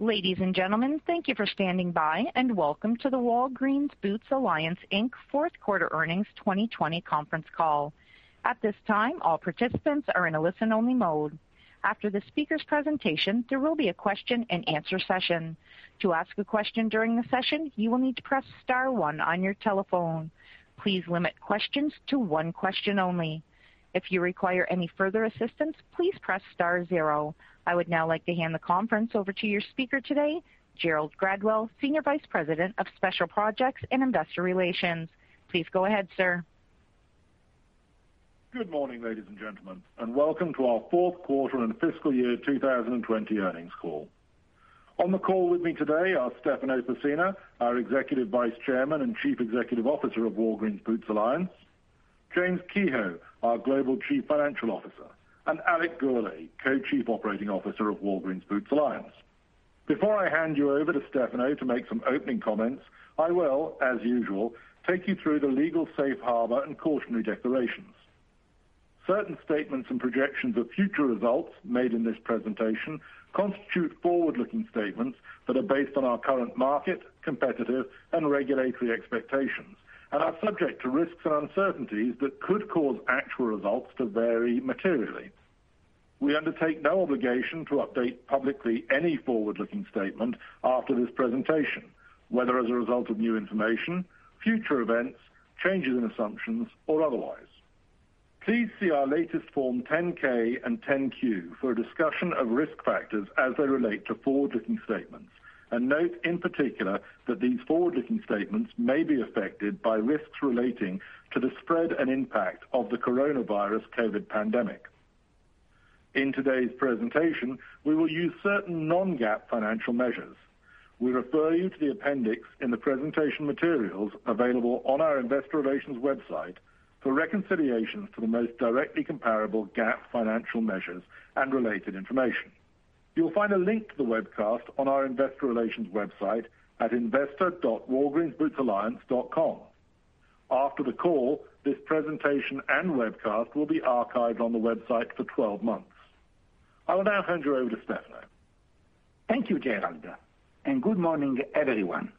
Ladies and gentlemen, thank you for standing by and welcome to the Walgreens Boots Alliance Inc. Fourth Quarter Earnings 2020 Conference Call. I would now like to hand the conference over to your speaker today, Gerald Gradwell, Senior Vice President of Special Projects and Investor Relations. Please go ahead, sir. Good morning, ladies and gentlemen, and welcome to our fourth quarter and fiscal year 2020 earnings call. On the call with me today are Stefano Pessina, our Executive Vice Chairman and Chief Executive Officer of Walgreens Boots Alliance, James Kehoe, our Global Chief Financial Officer, and Alex Gourlay, Co-Chief Operating Officer of Walgreens Boots Alliance. Before I hand you over to Stefano to make some opening comments, I will, as usual, take you through the legal safe harbor and cautionary declarations. Certain statements and projections of future results made in this presentation constitute forward-looking statements that are based on our current market, competitive, and regulatory expectations and are subject to risks and uncertainties that could cause actual results to vary materially. We undertake no obligation to update publicly any forward-looking statement after this presentation, whether as a result of new information, future events, changes in assumptions, or otherwise. Please see our latest Form 10-K and 10-Q for a discussion of risk factors as they relate to forward-looking statements, and note in particular that these forward-looking statements may be affected by risks relating to the spread and impact of the coronavirus COVID-19 pandemic. In today's presentation, we will use certain non-GAAP financial measures. We refer you to the appendix in the presentation materials available on our Investor Relations website for reconciliations to the most directly comparable GAAP financial measures and related information. You'll find a link to the webcast on our Investor Relations website at investor.walgreensbootsalliance.com. After the call, this presentation and webcast will be archived on the website for 12 months. I will now hand you over to Stefano. Thank you, Gerald. Good morning, everyone.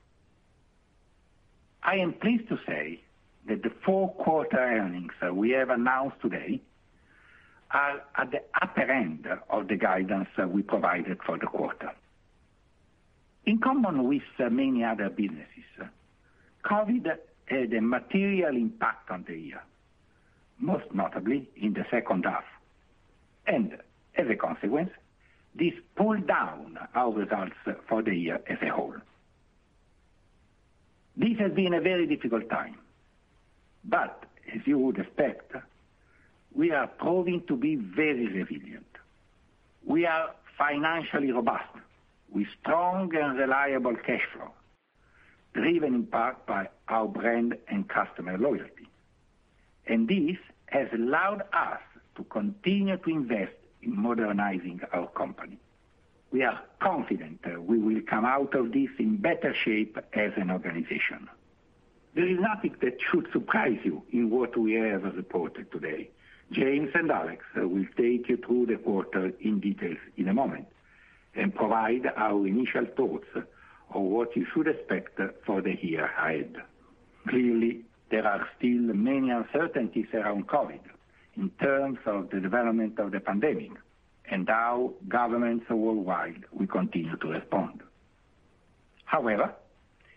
I am pleased to say that the fourth quarter earnings that we have announced today are at the upper end of the guidance that we provided for the quarter. In common with many other businesses, COVID-19 had a material impact on the year, most notably in the second half. As a consequence, this pulled down our results for the year as a whole. This has been a very difficult time. As you would expect, we are proving to be very resilient. We are financially robust with strong and reliable cash flow, driven in part by our brand and customer loyalty. This has allowed us to continue to invest in modernizing our company. We are confident we will come out of this in better shape as an organization. There is nothing that should surprise you in what we have reported today. James and Alex will take you through the quarter in detail in a moment and provide our initial thoughts on what you should expect for the year ahead. Clearly, there are still many uncertainties around COVID-19 in terms of the development of the pandemic and how governments worldwide will continue to respond. However,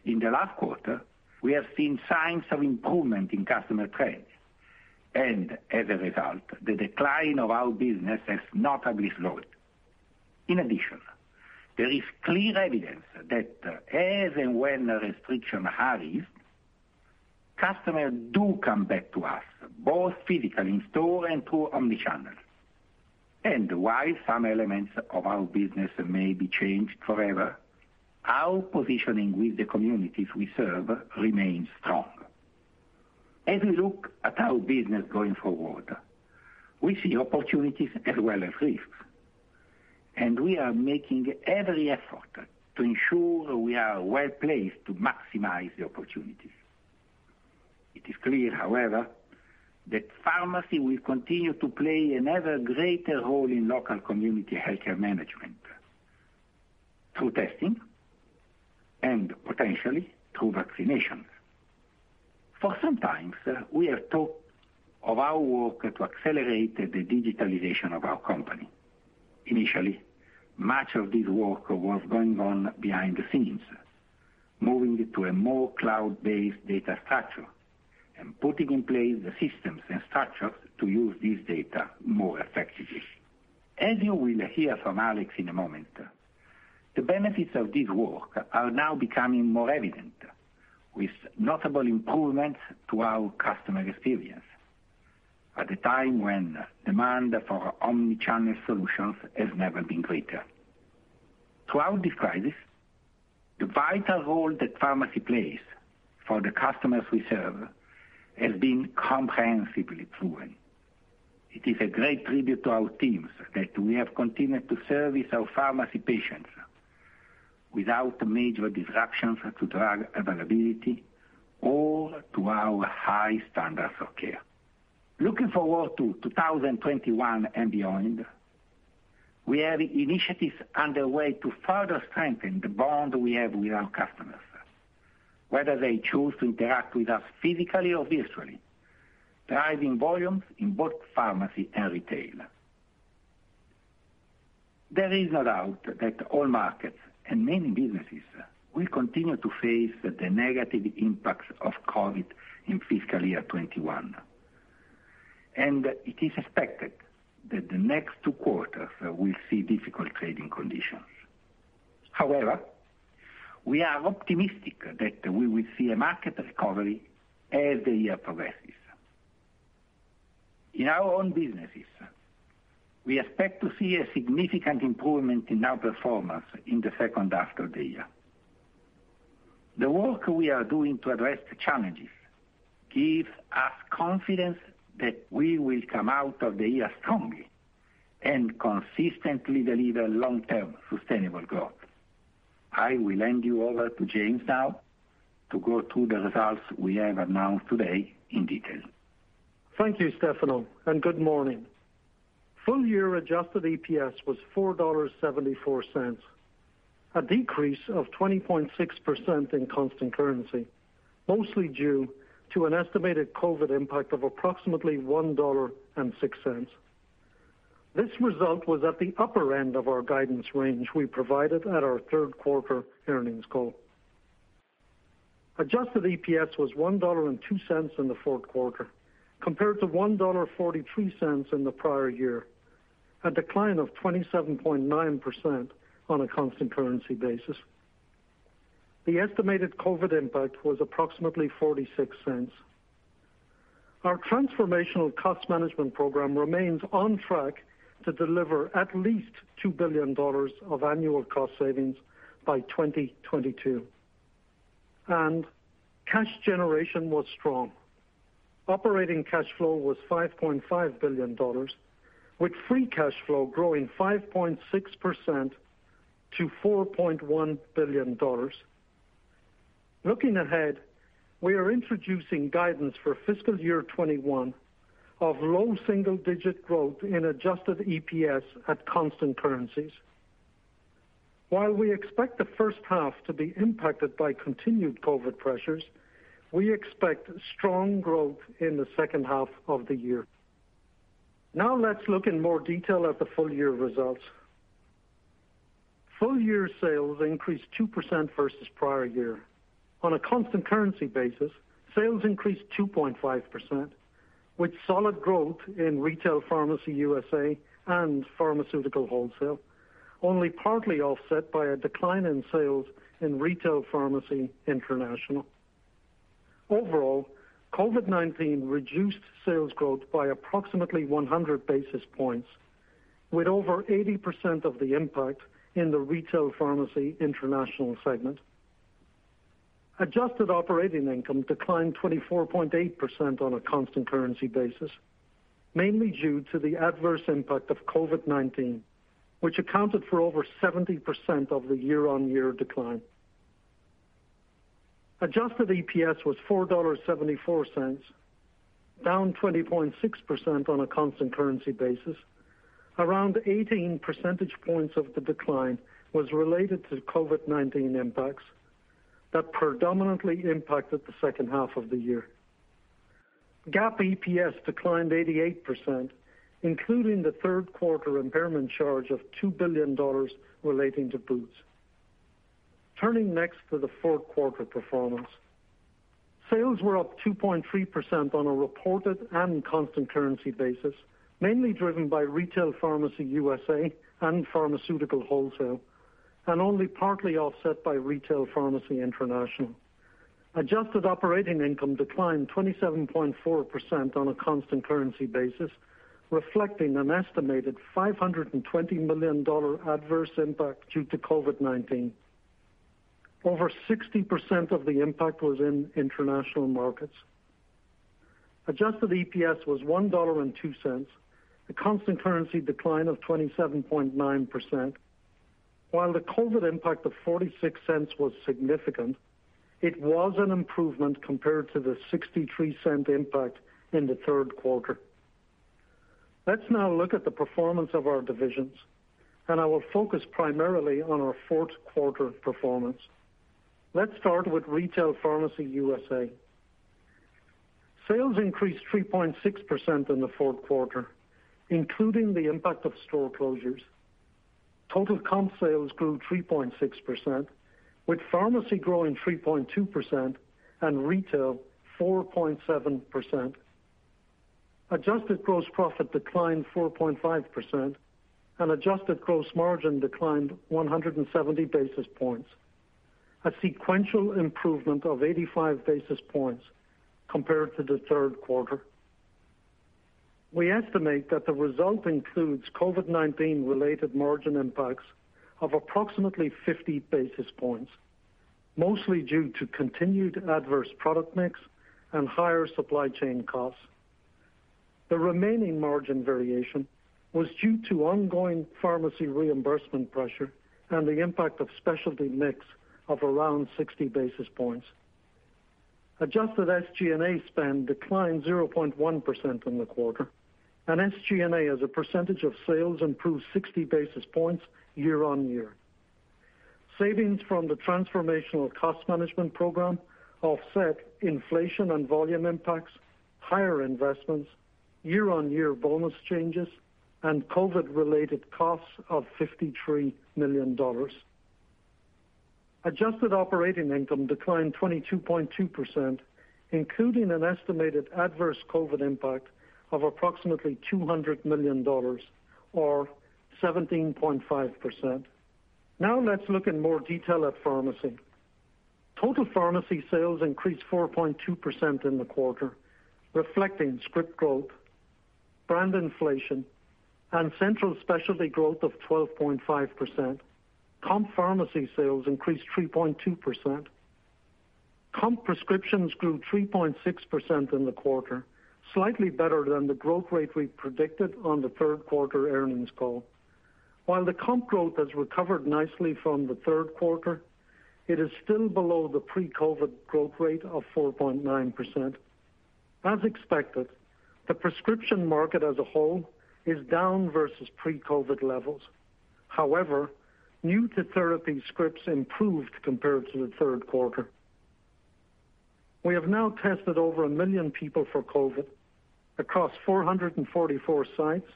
in the last quarter, we have seen signs of improvement in customer trends, and as a result, the decline of our business has notably slowed. In addition, there is clear evidence that as and when restrictions are eased, customers do come back to us, both physical in store and through omni-channel. While some elements of our business may be changed forever, our positioning with the communities we serve remains strong. As we look at our business going forward, we see opportunities as well as risks, and we are making every effort to ensure we are well-placed to maximize the opportunities. It is clear, however, that pharmacy will continue to play an ever greater role in local community healthcare management through testing and potentially through vaccinations. For some time, we have talked of our work to accelerate the digitalization of our company. Initially, much of this work was going on behind the scenes, moving it to a more cloud-based data structure and putting in place the systems and structures to use this data more effectively. As you will hear from Alex in a moment, the benefits of this work are now becoming more evident with notable improvements to our customer experience at a time when demand for omni-channel solutions has never been greater. Throughout this crisis, the vital role that pharmacy plays for the customers we serve has been comprehensively proven. It is a great tribute to our teams that we have continued to service our pharmacy patients without major disruptions to drug availability or to our high standards of care. Looking forward to 2021 and beyond, we have initiatives underway to further strengthen the bond we have with our customers, whether they choose to interact with us physically or virtually, driving volumes in both pharmacy and retail. There is no doubt that all markets and many businesses will continue to face the negative impacts of COVID in fiscal year 2021. It is expected that the next two quarters will see difficult trading conditions. We are optimistic that we will see a market recovery as the year progresses. In our own businesses, we expect to see a significant improvement in our performance in the second half of the year. The work we are doing to address the challenges gives us confidence that we will come out of the year strongly and consistently deliver long-term sustainable growth. I will hand you over to James now to go through the results we have announced today in detail. Thank you, Stefano, and good morning. Full-year adjusted EPS was $4.74, a decrease of 20.6% in constant currency, mostly due to an estimated COVID impact of approximately $1.06. This result was at the upper end of our guidance range we provided at our third quarter earnings call. Adjusted EPS was $1.02 in the fourth quarter, compared to $1.43 in the prior year, a decline of 27.9% on a constant currency basis. The estimated COVID impact was approximately $0.46. Our transformational cost management program remains on track to deliver at least $2 billion of annual cost savings by 2022. Cash generation was strong. Operating cash flow was $5.5 billion, with free cash flow growing 5.6% to $4.1 billion. Looking ahead, we are introducing guidance for fiscal year 2021 of low single-digit growth in adjusted EPS at constant currencies. While we expect the first half to be impacted by continued COVID-19 pressures, we expect strong growth in the second half of the year. Now let's look in more detail at the full-year results. Full-year sales increased 2% versus prior year. On a constant currency basis, sales increased 2.5%, with solid growth in Retail Pharmacy USA and Pharmaceutical Wholesale, only partly offset by a decline in sales in Retail Pharmacy International. Overall, COVID-19 reduced sales growth by approximately 100 basis points, with over 80% of the impact in the Retail Pharmacy International segment. Adjusted operating income declined 24.8% on a constant currency basis, mainly due to the adverse impact of COVID-19, which accounted for over 70% of the year-on-year decline. Adjusted EPS was $4.74, down 20.6% on a constant currency basis. Around 18 percentage points of the decline was related to COVID-19 impacts that predominantly impacted the second half of the year. GAAP EPS declined 88%, including the third quarter impairment charge of $2 billion relating to Boots. Turning next to the fourth quarter performance. Sales were up 2.3% on a reported and constant currency basis, mainly driven by Retail Pharmacy USA and Pharmaceutical Wholesale, and only partly offset by Retail Pharmacy International. Adjusted operating income declined 27.4% on a constant currency basis, reflecting an estimated $520 million adverse impact due to COVID-19. Over 60% of the impact was in international markets. Adjusted EPS was $1.02, a constant currency decline of 27.9%. While the COVID impact of $0.46 was significant, it was an improvement compared to the $0.63 impact in the third quarter. Let's now look at the performance of our divisions, and I will focus primarily on our fourth quarter performance. Let's start with Retail Pharmacy USA. Sales increased 3.6% in the fourth quarter, including the impact of store closures. Total comp sales grew 3.6%, with pharmacy growing 3.2% and retail 4.7%. Adjusted gross profit declined 4.5%, and adjusted gross margin declined 170 basis points, a sequential improvement of 85 basis points compared to the third quarter. We estimate that the result includes COVID-19-related margin impacts of approximately 50 basis points, mostly due to continued adverse product mix and higher supply chain costs. The remaining margin variation was due to ongoing pharmacy reimbursement pressure and the impact of specialty mix of around 60 basis points. Adjusted SG&A spend declined 0.1% in the quarter, and SG&A as a percentage of sales improved 60 basis points year-on-year. Savings from the transformational cost management program offset inflation and volume impacts, higher investments, year-over-year bonus changes, and COVID-related costs of $53 million. Adjusted operating income declined 22.2%, including an estimated adverse COVID impact of approximately $200 million, or 17.5%. Let's look in more detail at pharmacy. Total pharmacy sales increased 4.2% in the quarter, reflecting script growth, brand inflation, and central specialty growth of 12.5%. Comp pharmacy sales increased 3.2%. Comp prescriptions grew 3.6% in the quarter, slightly better than the growth rate we predicted on the third quarter earnings call. While the comp growth has recovered nicely from the third quarter, it is still below the pre-COVID growth rate of 4.9%. As expected, the prescription market as a whole is down versus pre-COVID levels. New-to-therapy scripts improved compared to the third quarter. We have now tested over 1 million people for COVID-19 across 444 sites,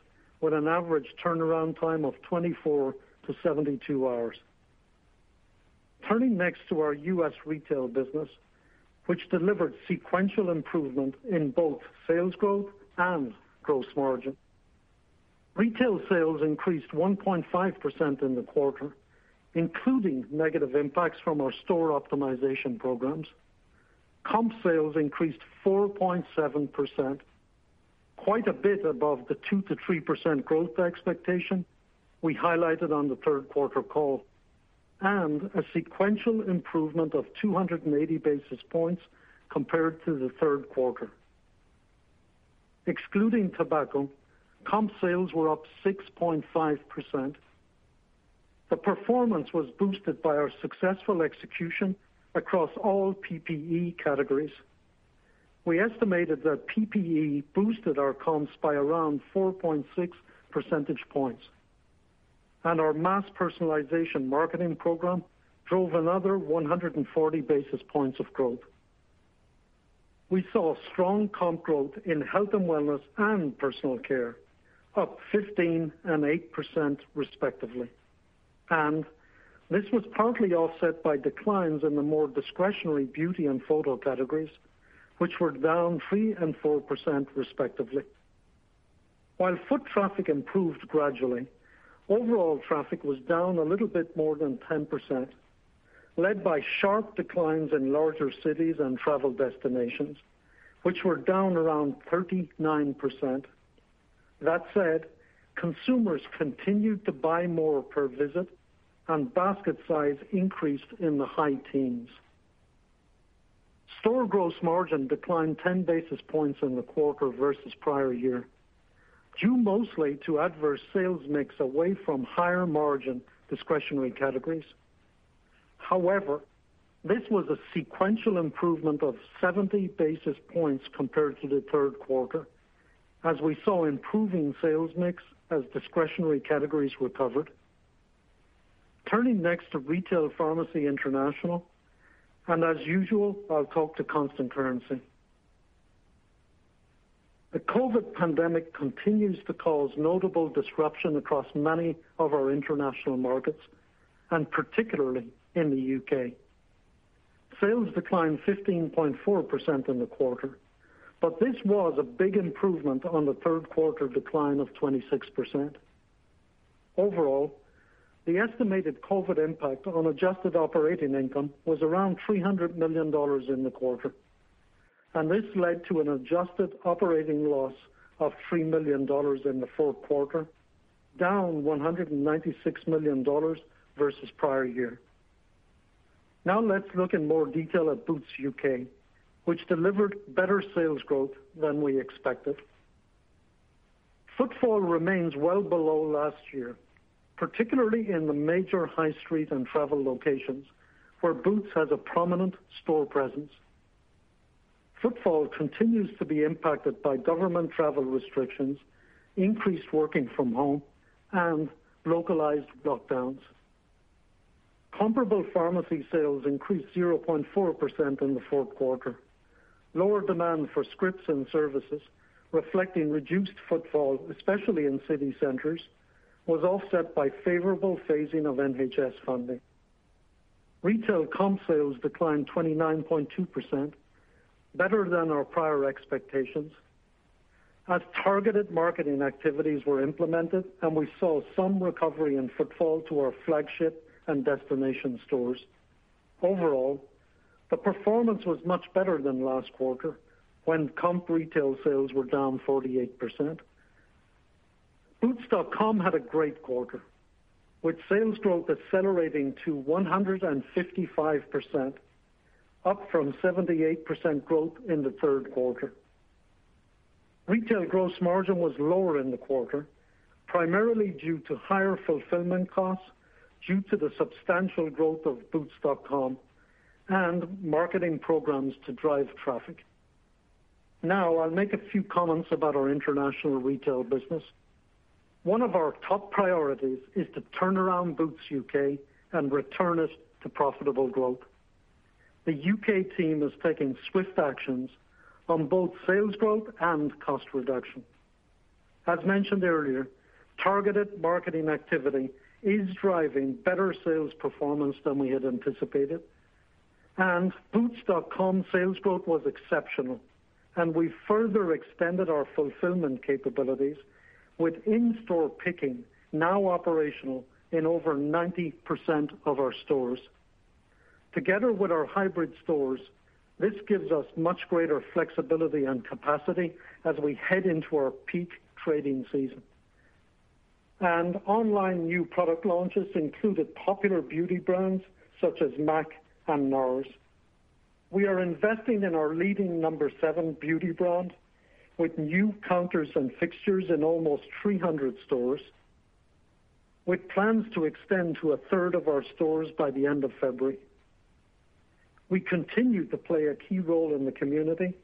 with an average turnaround time of 24-72 hours. Turning next to our Retail Pharmacy USA business, which delivered sequential improvement in both sales growth and gross margin. Retail sales increased 1.5% in the quarter, including negative impacts from our store optimization programs. Comp sales increased 4.7%, quite a bit above the 2%-3% growth expectation we highlighted on the third quarter call, and a sequential improvement of 280 basis points compared to the third quarter. Excluding tobacco, comp sales were up 6.5%. The performance was boosted by our successful execution across all PPE categories. We estimated that PPE boosted our comps by around 4.6 percentage points, and our mass personalization marketing program drove another 140 basis points of growth. We saw strong comp growth in health and wellness and personal care, up 15% and 8% respectively. This was partly offset by declines in the more discretionary beauty and photo categories, which were down 3% and 4% respectively. While foot traffic improved gradually, overall traffic was down a little bit more than 10%, led by sharp declines in larger cities and travel destinations, which were down around 39%. That said, consumers continued to buy more per visit, and basket size increased in the high teens. Store gross margin declined 10 basis points in the quarter versus prior year, due mostly to adverse sales mix away from higher-margin discretionary categories. However, this was a sequential improvement of 70 basis points compared to the third quarter, as we saw improving sales mix as discretionary categories recovered. Turning next to Retail Pharmacy International, and as usual, I'll talk to constant currency. The COVID-19 pandemic continues to cause notable disruption across many of our international markets, particularly in the U.K. Sales declined 15.4% in the quarter. This was a big improvement on the third quarter decline of 26%. Overall, the estimated COVID-19 impact on adjusted operating income was around $300 million in the quarter. This led to an adjusted operating loss of $3 million in the fourth quarter, down $196 million versus prior year. Let's look in more detail at Boots UK, which delivered better sales growth than we expected. Footfall remains well below last year, particularly in the major high street and travel locations where Boots has a prominent store presence. Footfall continues to be impacted by government travel restrictions, increased working from home, and localized lockdowns. Comparable pharmacy sales increased 0.4% in the fourth quarter. Lower demand for scripts and services, reflecting reduced footfall, especially in city centers, was offset by favorable phasing of NHS funding. Retail comp sales declined 29.2%, better than our prior expectations, as targeted marketing activities were implemented, and we saw some recovery in footfall to our flagship and destination stores. Overall, the performance was much better than last quarter, when comp retail sales were down 48%. boots.com had a great quarter, with sales growth accelerating to 155%, up from 78% growth in the third quarter. Retail gross margin was lower in the quarter, primarily due to higher fulfillment costs due to the substantial growth of boots.com and marketing programs to drive traffic. I'll make a few comments about our international retail business. One of our top priorities is to turn around Boots UK and return it to profitable growth. The UK team is taking swift actions on both sales growth and cost reduction. As mentioned earlier, targeted marketing activity is driving better sales performance than we had anticipated. boots.com sales growth was exceptional. We further extended our fulfillment capabilities with in-store picking now operational in over 90% of our stores. Together with our hybrid stores, this gives us much greater flexibility and capacity as we head into our peak trading season. Online new product launches included popular beauty brands such as MAC and NARS. We are investing in our leading No7 beauty brand with new counters and fixtures in almost 300 stores, with plans to extend to a third of our stores by the end of February. We continue to play a key role in the community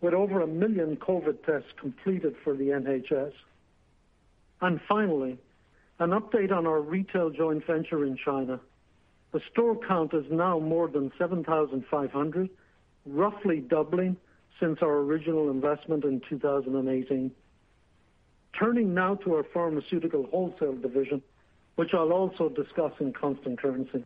with over 1 million COVID-19 tests completed for the NHS. Finally, an update on our retail joint venture in China. The store count is now more than 7,500, roughly doubling since our original investment in 2018. Turning now to our Pharmaceutical Wholesale division, which I'll also discuss in constant currency.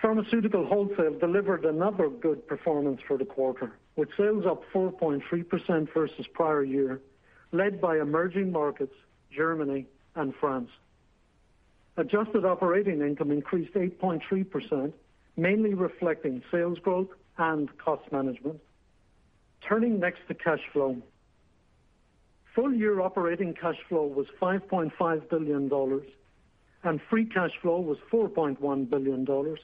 Pharmaceutical Wholesale delivered another good performance for the quarter, with sales up 4.3% versus prior year, led by emerging markets Germany and France. Adjusted operating income increased 8.3%, mainly reflecting sales growth and cost management. Turning next to cash flow. Full-year operating cash flow was $5.5 billion, and free cash flow was $4.1 billion.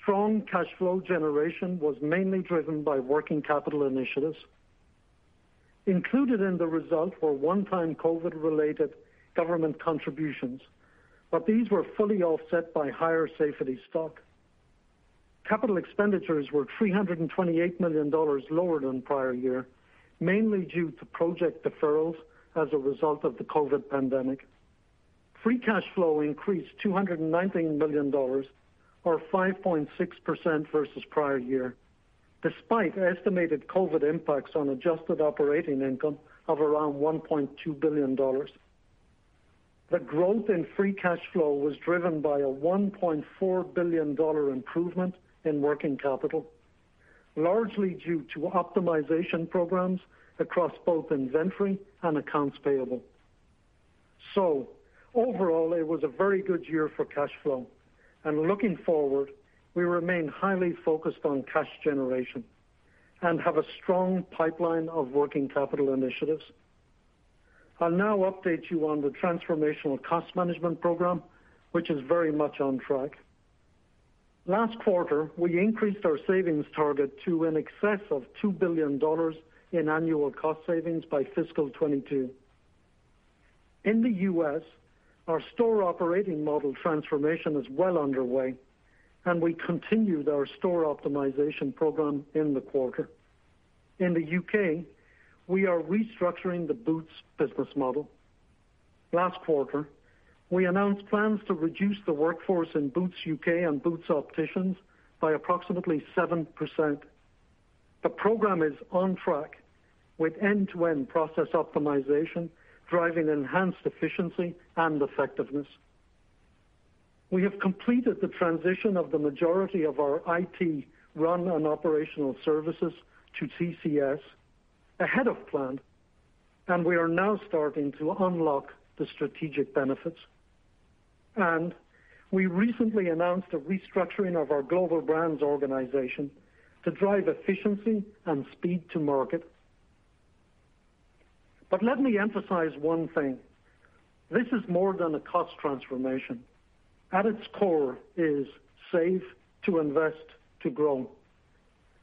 Strong cash flow generation was mainly driven by working capital initiatives. Included in the result were one-time COVID-related government contributions. These were fully offset by higher safety stock. Capital expenditures were $328 million lower than prior year, mainly due to project deferrals as a result of the COVID pandemic. Free cash flow increased $219 million, or 5.6% versus prior year, despite estimated COVID-19 impacts on adjusted operating income of around $1.2 billion. The growth in free cash flow was driven by a $1.4 billion improvement in working capital, largely due to optimization programs across both inventory and accounts payable. Overall, it was a very good year for cash flow. Looking forward, we remain highly focused on cash generation and have a strong pipeline of working capital initiatives. I'll now update you on the transformational cost management program, which is very much on track. Last quarter, we increased our savings target to in excess of $2 billion in annual cost savings by fiscal 2022. In the U.S., our store operating model transformation is well underway, and we continued our store optimization program in the quarter. In the U.K., we are restructuring the Boots business model. Last quarter, we announced plans to reduce the workforce in Boots UK and Boots Opticians by approximately 7%. The program is on track with end-to-end process optimization, driving enhanced efficiency and effectiveness. We have completed the transition of the majority of our IT run and operational services to TCS ahead of plan, and we are now starting to unlock the strategic benefits. We recently announced a restructuring of our global brands organization to drive efficiency and speed to market. Let me emphasize one thing. This is more than a cost transformation. At its core is save to invest to grow.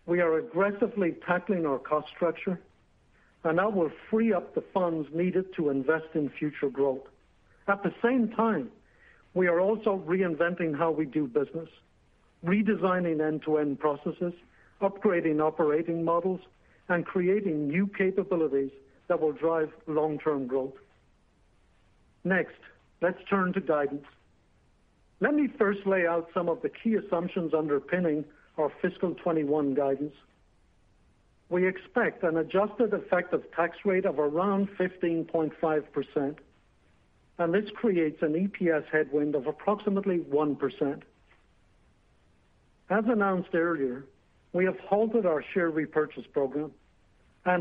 We are aggressively tackling our cost structure, and that will free up the funds needed to invest in future growth. At the same time, we are also reinventing how we do business, redesigning end-to-end processes, upgrading operating models, and creating new capabilities that will drive long-term growth. Next, let's turn to guidance. Let me first lay out some of the key assumptions underpinning our fiscal 2021 guidance. This creates an EPS headwind of approximately 1%.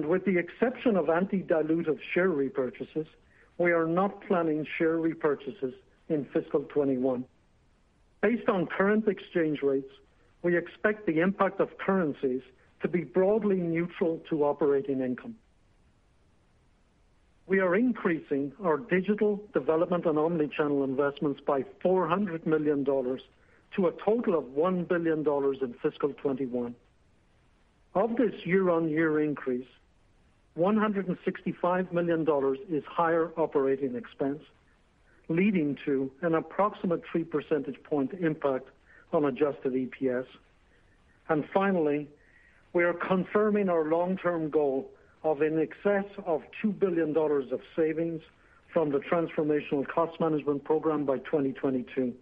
With the exception of anti-dilutive share repurchases, we are not planning share repurchases in fiscal 2021. Based on current exchange rates, we expect the impact of currencies to be broadly neutral to operating income. We are increasing our digital development and omni-channel investments by $400 million to a total of $1 billion in fiscal 2021. Of this year-on-year increase, $165 million is higher operating expense, leading to an approximate 3 percentage point impact on adjusted EPS. Finally, we are confirming our long-term goal of in excess of $2 billion of savings from the Transformational Cost Management Program by 2022.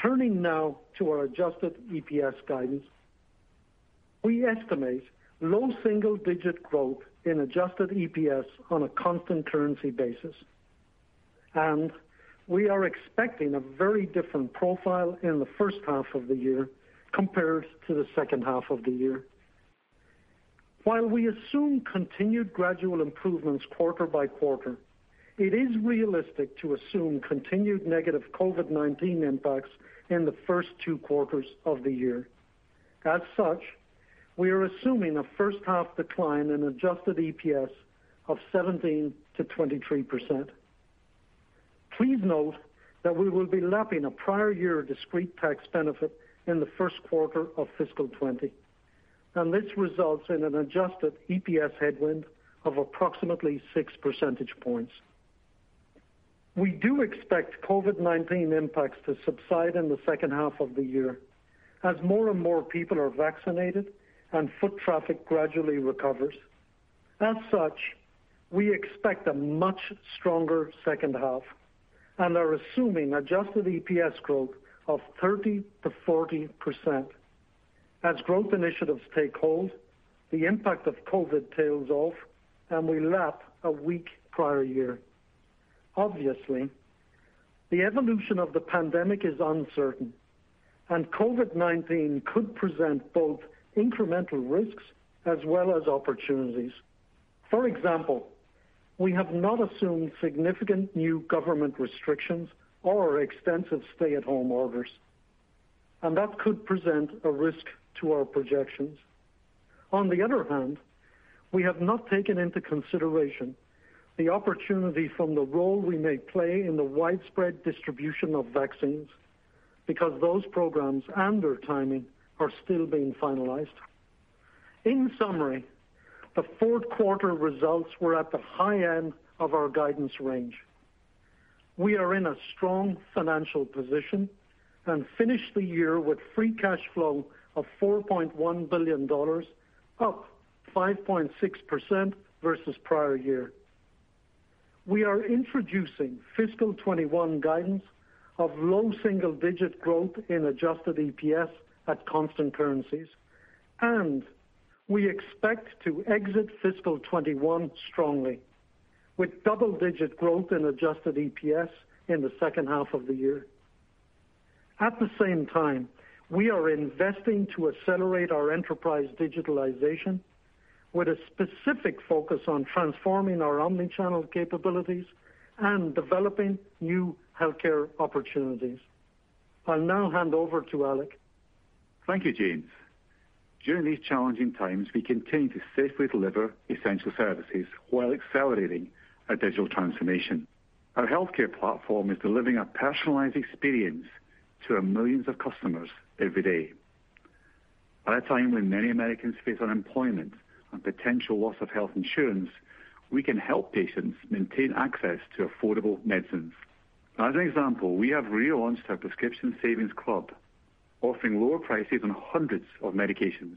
Turning now to our adjusted EPS guidance. We estimate low single-digit growth in adjusted EPS on a constant currency basis, and we are expecting a very different profile in the first half of the year compared to the second half of the year. While we assume continued gradual improvements quarter by quarter, it is realistic to assume continued negative COVID-19 impacts in the first two quarters of the year. As such, we are assuming a first half decline in adjusted EPS of 17%-23%. Please note that we will be lapping a prior year discrete tax benefit in the first quarter of fiscal 2020, and this results in an adjusted EPS headwind of approximately six percentage points. We do expect COVID-19 impacts to subside in the second half of the year as more and more people are vaccinated and foot traffic gradually recovers. As such, we expect a much stronger second half and are assuming adjusted EPS growth of 30%-40%. As growth initiatives take hold, the impact of COVID-19 tails off, and we lap a weak prior year. Obviously, the evolution of the pandemic is uncertain, and COVID-19 could present both incremental risks as well as opportunities. For example, we have not assumed significant new government restrictions or extensive stay-at-home orders, and that could present a risk to our projections. On the other hand, we have not taken into consideration the opportunity from the role we may play in the widespread distribution of vaccines because those programs and their timing are still being finalized. In summary, the fourth quarter results were at the high end of our guidance range. We are in a strong financial position and finished the year with free cash flow of $4.1 billion, up 5.6% versus prior year. We are introducing fiscal 2021 guidance of low single-digit growth in adjusted EPS at constant currencies, and we expect to exit fiscal 2021 strongly with double-digit growth in adjusted EPS in the second half of the year. At the same time, we are investing to accelerate our enterprise digitalization with a specific focus on transforming our omni-channel capabilities and developing new healthcare opportunities. I'll now hand over to Alex. Thank you, James. During these challenging times, we continue to safely deliver essential services while accelerating our digital transformation. Our healthcare platform is delivering a personalized experience to our millions of customers every day. At a time when many Americans face unemployment and potential loss of health insurance, we can help patients maintain access to affordable medicines. As an example, we have relaunched our Prescription Savings Club, offering lower prices on hundreds of medications.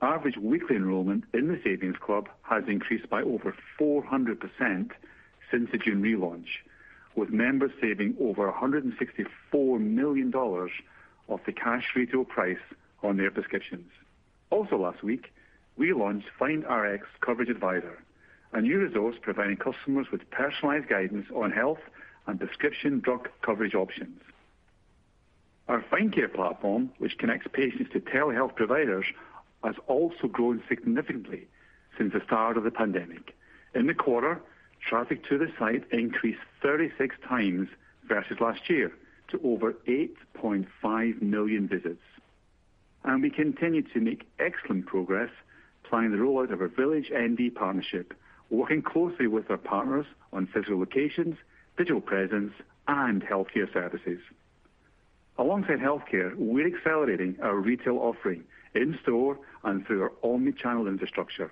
Average weekly enrollment in the Savings Club has increased by over 400% since the June relaunch, with members saving over $164 million off the cash retail price on their prescriptions. Also last week, we launched Find Rx Coverage Advisor, a new resource providing customers with personalized guidance on health and prescription drug coverage options. Our Find Care platform, which connects patients to telehealth providers, has also grown significantly since the start of the pandemic. In the quarter, traffic to the site increased 36 times versus last year to over 8.5 million visits. We continue to make excellent progress planning the rollout of our VillageMD partnership, working closely with our partners on physical locations, digital presence, and healthcare services. Alongside healthcare, we're accelerating our retail offering in-store and through our omni-channel infrastructure.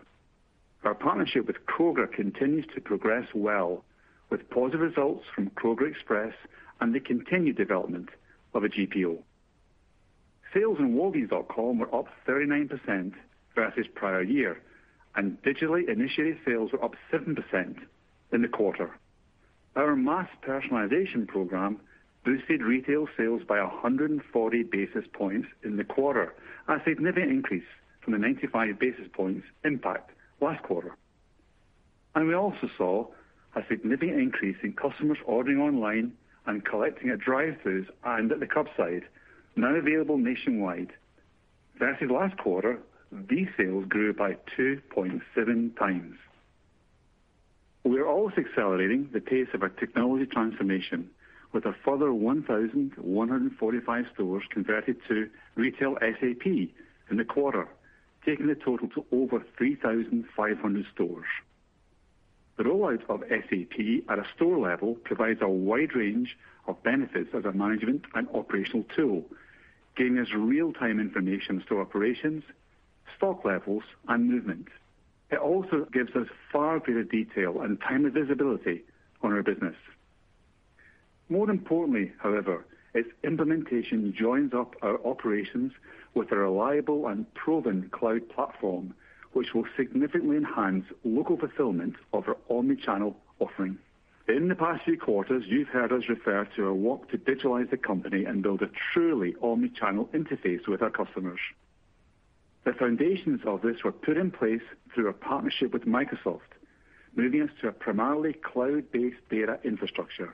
Our partnership with Kroger continues to progress well with positive results from Kroger Express and the continued development of a GPO. Sales on walgreens.com were up 39% versus prior year, and digitally initiated sales were up 7% in the quarter. Our mass personalization program boosted retail sales by 140 basis points in the quarter, a significant increase from the 95 basis points impact last quarter. We also saw a significant increase in customers ordering online and collecting at drive-throughs and at the curbside, now available nationwide. Versus last quarter, these sales grew by 2.7 times. We are also accelerating the pace of our technology transformation with a further 1,145 stores converted to retail SAP in the quarter, taking the total to over 3,500 stores. The rollout of SAP at a store level provides a wide range of benefits as a management and operational tool, giving us real-time information store operations, stock levels, and movements. It also gives us far greater detail and timely visibility on our business. More importantly, however, its implementation joins up our operations with a reliable and proven cloud platform, which will significantly enhance local fulfillment of our omni-channel offering. In the past few quarters, you've heard us refer to our work to digitalize the company and build a truly omni-channel interface with our customers. The foundations of this were put in place through our partnership with Microsoft, moving us to a primarily cloud-based data infrastructure,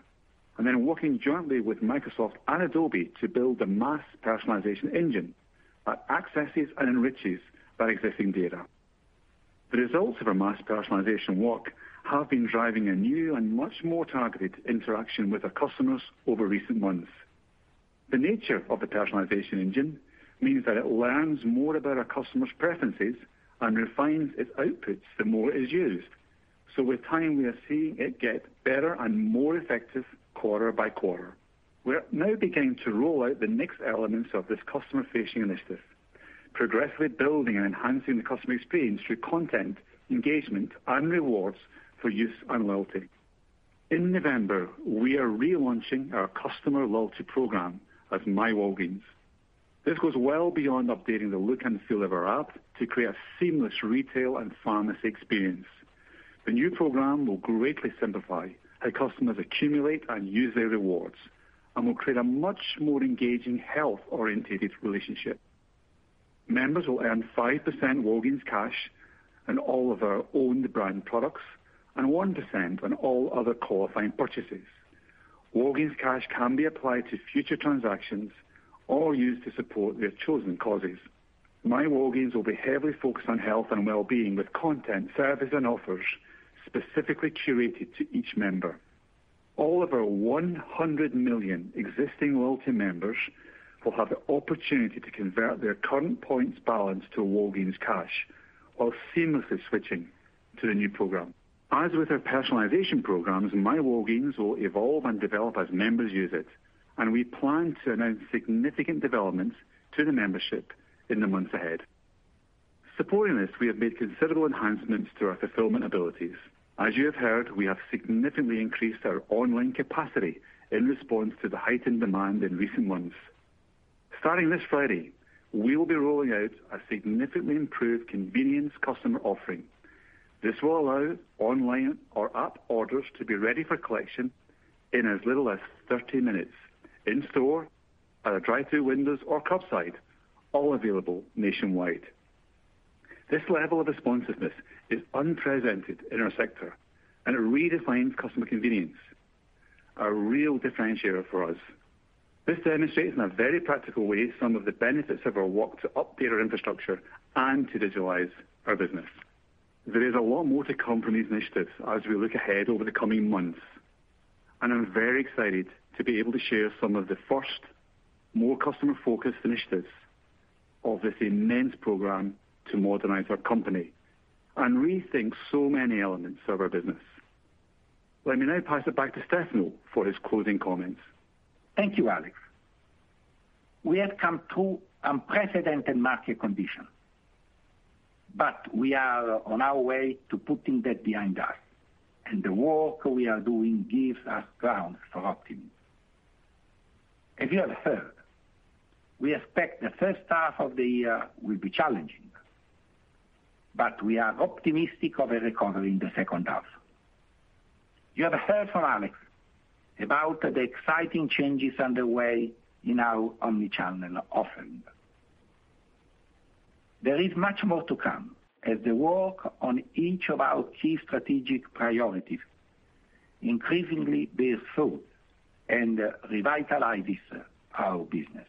and then working jointly with Microsoft and Adobe to build the mass personalization engine that accesses and enriches that existing data. The results of our mass personalization work have been driving a new and much more targeted interaction with our customers over recent months. The nature of the personalization engine means that it learns more about our customers' preferences and refines its outputs the more it is used. With time, we are seeing it get better and more effective quarter by quarter. We are now beginning to roll out the next elements of this customer-facing initiative, progressively building and enhancing the customer experience through content, engagement, and rewards for use and loyalty. In November, we are relaunching our customer loyalty program as myWalgreens. This goes well beyond updating the look and feel of our app to create a seamless retail and pharmacy experience. The new program will greatly simplify how customers accumulate and use their rewards and will create a much more engaging, health-orientated relationship. Members will earn 5% Walgreens Cash on all of our owned brand products and 1% on all other qualifying purchases. Walgreens Cash can be applied to future transactions or used to support their chosen causes. myWalgreens will be heavily focused on health and wellbeing with content, service, and offers specifically curated to each member. All of our 100 million existing loyalty members will have the opportunity to convert their current points balance to Walgreens Cash while seamlessly switching to the new program. As with our personalization programs, myWalgreens will evolve and develop as members use it, and we plan to announce significant developments to the membership in the months ahead. Supporting this, we have made considerable enhancements to our fulfillment abilities. As you have heard, we have significantly increased our online capacity in response to the heightened demand in recent months. Starting this Friday, we will be rolling out a significantly improved convenience customer offering. This will allow online or app orders to be ready for collection in as little as 30 minutes in store, at our drive-through windows or curbside, all available nationwide. This level of responsiveness is unprecedented in our sector and it redefines customer convenience, a real differentiator for us. This demonstrates in a very practical way some of the benefits of our work to update our infrastructure and to digitalize our business. There is a lot more to come from these initiatives as we look ahead over the coming months, and I'm very excited to be able to share some of the first, more customer-focused initiatives of this immense program to modernize our company and rethink so many elements of our business. Let me now pass it back to Stefano for his closing comments. Thank you, Alex. We have come through unprecedented market conditions, but we are on our way to putting that behind us, and the work we are doing gives us grounds for optimism. As you have heard, we expect the first half of the year will be challenging, but we are optimistic of a recovery in the second half. You have heard from Alex about the exciting changes underway in our omni-channel offering. There is much more to come as the work on each of our key strategic priorities increasingly bears fruit and revitalizes our business.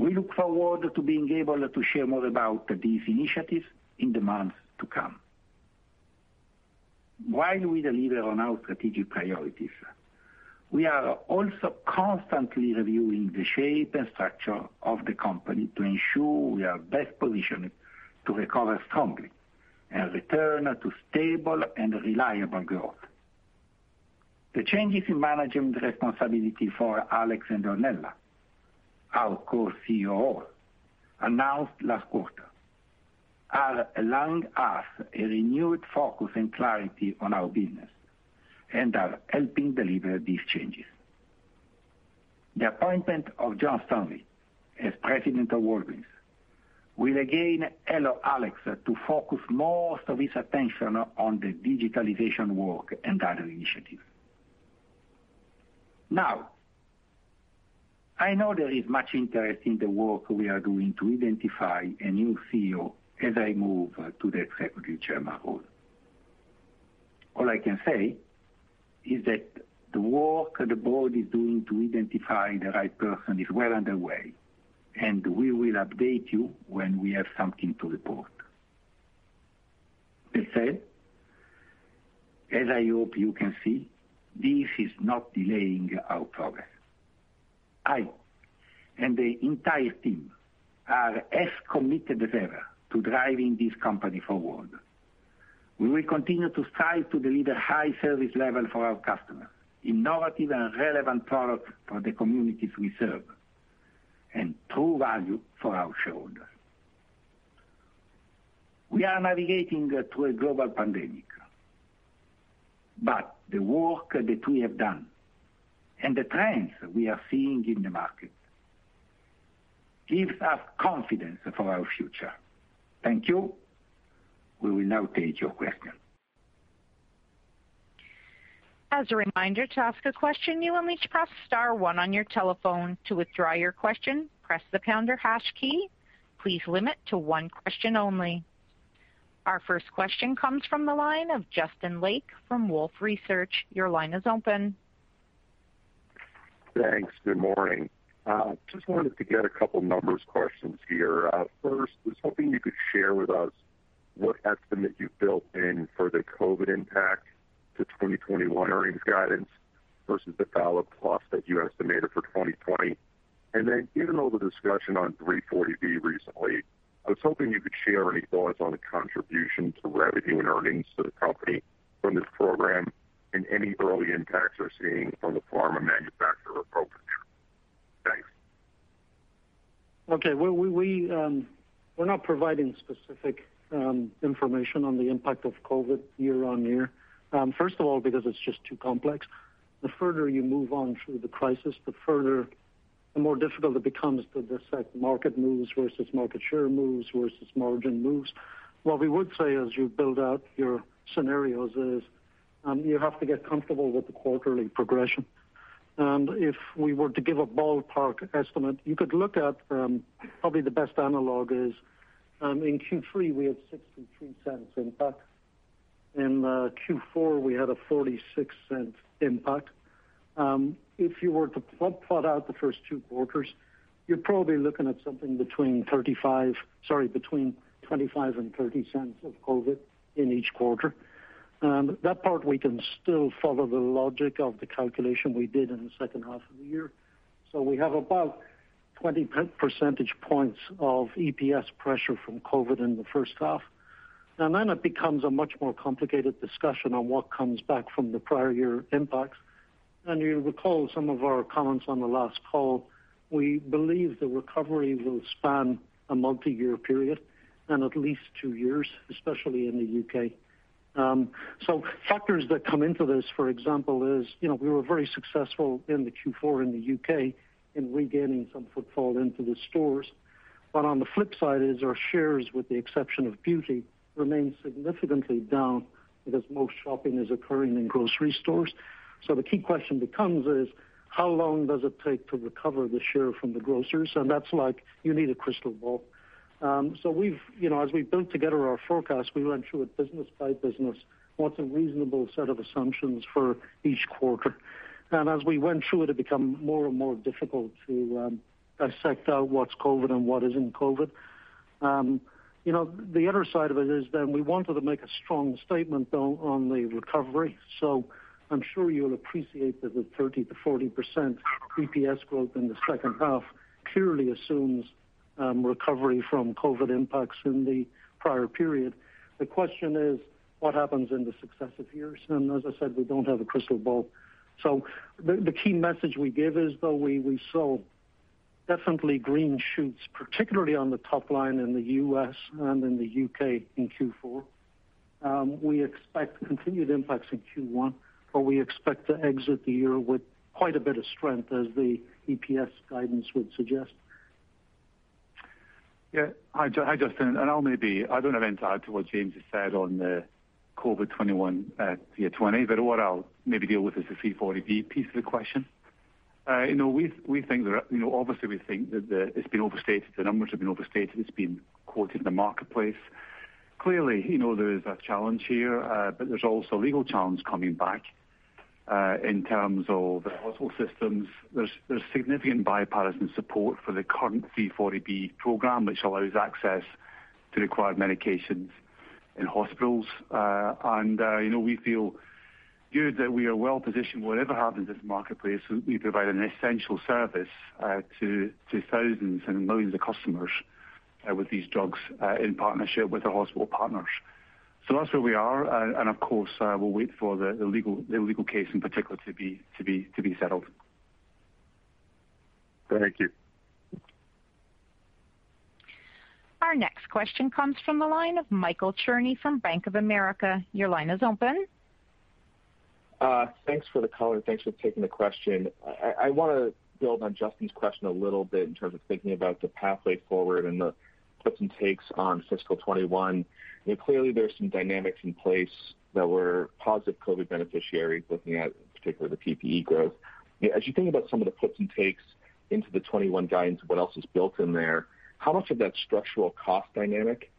We look forward to being able to share more about these initiatives in the months to come. While we deliver on our strategic priorities, we are also constantly reviewing the shape and structure of the company to ensure we are best positioned to recover strongly and return to stable and reliable growth. The changes in management responsibility for Alex and Ornella, our co-COOs, announced last quarter, are allowing us a renewed focus and clarity on our business and are helping deliver these changes. The appointment of John Standley as President of Walgreens will again allow Alex to focus most of his attention on the digitalization work and other initiatives. Now, I know there is much interest in the work we are doing to identify a new CEO as I move to the Executive Chairman role. All I can say is that the work the board is doing to identify the right person is well underway, and we will update you when we have something to report. That said, "As I hope you can see, this is not delaying our progress." I and the entire team are as committed as ever to driving this company forward. We will continue to strive to deliver high service level for our customers, innovative and relevant products for the communities we serve, and true value for our shareholders. We are navigating through a global pandemic, but the work that we have done and the trends we are seeing in the market gives us confidence for our future. Thank you. We will now take your questions. As a reminder, to ask a question, you will need to press star one on your telephone. To withdraw your question, press the pound or hash key. Please limit to one question only. Our first question comes from the line of Justin Lake from Wolfe Research. Your line is open. Thanks. Good morning. Just wanted to get a couple numbers questions here. First, was hoping you could share with us what estimate you've built in for the COVID-19 impact to 2021 earnings guidance versus the [value] loss that you estimated for 2020. Given all the discussion on 340B recently, I was hoping you could share any thoughts on the contribution to revenue and earnings to the company from this program and any early impacts you're seeing from the pharma manufacturer approach. Thanks. Okay. Well, we're not providing specific information on the impact of COVID-19 year on year. First of all, because it's just too complex. The further you move on through the crisis, the more difficult it becomes to dissect market moves versus market share moves versus margin moves. What we would say as you build out your scenarios is, you have to get comfortable with the quarterly progression. If we were to give a ballpark estimate, you could look at, probably the best analog is, in Q3, we had $0.63 impact. In Q4, we had a $0.46 impact. If you were to plot out the first two quarters, you're probably looking at something between 35, sorry, between $0.25 and $0.30 of COVID-19 in each quarter. That part we can still follow the logic of the calculation we did in the second half of the year. We have about 20 percentage points of EPS pressure from COVID-19 in the first half. It becomes a much more complicated discussion on what comes back from the prior year impacts. You'll recall some of our comments on the last call. We believe the recovery will span a multi-year period and at least two years, especially in the U.K. Factors that come into this, for example, is we were very successful in the Q4 in the U.K. in regaining some footfall into the stores. On the flip side is our shares, with the exception of beauty, remain significantly down because most shopping is occurring in grocery stores. The key question becomes is, how long does it take to recover the share from the grocers? That's like, you need a crystal ball. As we built together our forecast, we went through it business by business, what's a reasonable set of assumptions for each quarter. As we went through it become more and more difficult to dissect out what's COVID and what isn't COVID. The other side of it is then we wanted to make a strong statement, though, on the recovery. I'm sure you'll appreciate that the 30%-40% EPS growth in the second half clearly assumes recovery from COVID impacts in the prior period. The question is, what happens in the successive years? As I said, we don't have a crystal ball. The key message we give is, though, we saw definitely green shoots, particularly on the top line in the U.S. and in the U.K. in Q4. We expect continued impacts in Q1, but we expect to exit the year with quite a bit of strength as the EPS guidance would suggest. Hi, Justin. I don't have anything to add to what James has said on the COVID 2021 via 2020, but what I'll maybe deal with is the 340B piece of the question. Obviously, we think that it's been overstated. The numbers have been overstated. It's been quoted in the marketplace. Clearly, there is a challenge here, but there's also legal challenge coming back, in terms of the hospital systems. There's significant bipartisan support for the current 340B program, which allows access to required medications in hospitals. We feel good that we are well positioned. Whatever happens in this marketplace, we provide an essential service to thousands and millions of customers with these drugs, in partnership with our hospital partners. That's where we are. Of course, we'll wait for the legal case in particular to be settled. Thank you. Our next question comes from the line of Michael Cherny from Bank of America. Your line is open. Thanks for the color. Thanks for taking the question. I want to build on Justin's question a little bit in terms of thinking about the pathway forward and the puts and takes on fiscal 2021. Clearly, there are some dynamics in place that were positive COVID beneficiaries, looking at, in particular, the PPE growth. As you think about some of the puts and takes into the 2021 guidance, what else is built in there, how much of that structural cost dynamic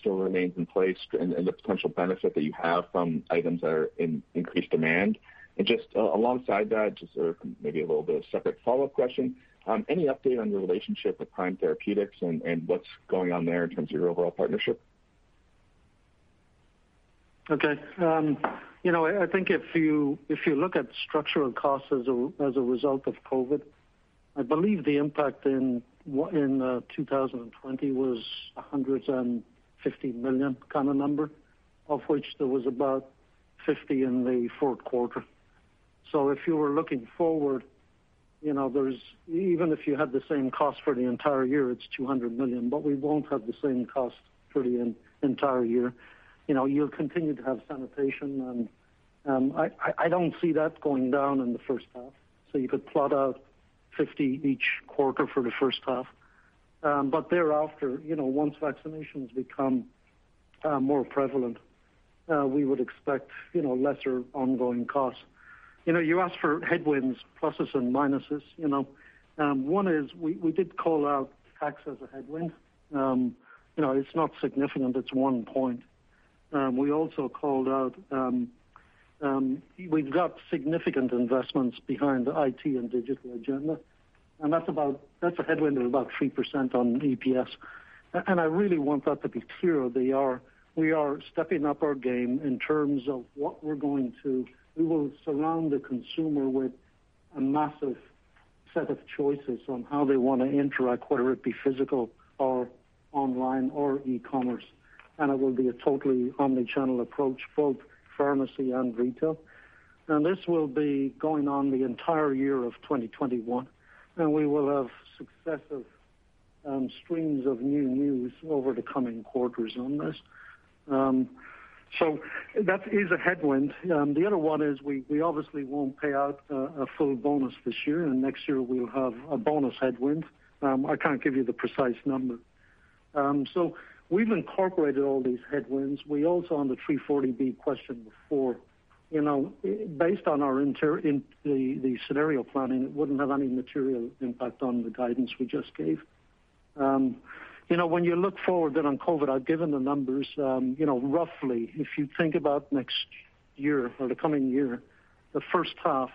still remains in place and the potential benefit that you have from items that are in increased demand? Just alongside that, just maybe a little bit of separate follow-up question. Any update on your relationship with Prime Therapeutics and what's going on there in terms of your overall partnership? Okay. I think if you look at structural costs as a result of COVID-19, I believe the impact in 2020 was $150 million kind of number, of which there was about $50 in the fourth quarter. If you were looking forward, even if you had the same cost for the entire year, it's $200 million. We won't have the same cost for the entire year. You'll continue to have sanitation, and I don't see that going down in the first half. You could plot out $50 each quarter for the first half. Thereafter, once vaccinations become more prevalent, we would expect lesser ongoing costs. You asked for headwinds, pluses, and minuses. One is we did call out tax as a headwind. It's not significant. It's one point. We also called out, we've got significant investments behind the IT and digital agenda, and that's a headwind of about 3% on EPS. I really want that to be clear. We are stepping up our game in terms of what we're going to. We will surround the consumer with a massive set of choices on how they want to interact, whether it be physical or online or e-commerce. It will be a totally omni-channel approach, both pharmacy and retail. This will be going on the entire year of 2021, and we will have successive streams of new news over the coming quarters on this. That is a headwind. The other one is we obviously won't pay out a full bonus this year, and next year we'll have a bonus headwind. I can't give you the precise number. We've incorporated all these headwinds. We also, on the 340B question before, based on the scenario planning, it wouldn't have any material impact on the guidance we just gave. When you look forward then on COVID, I've given the numbers roughly. If you think about next year or the coming year, the first half,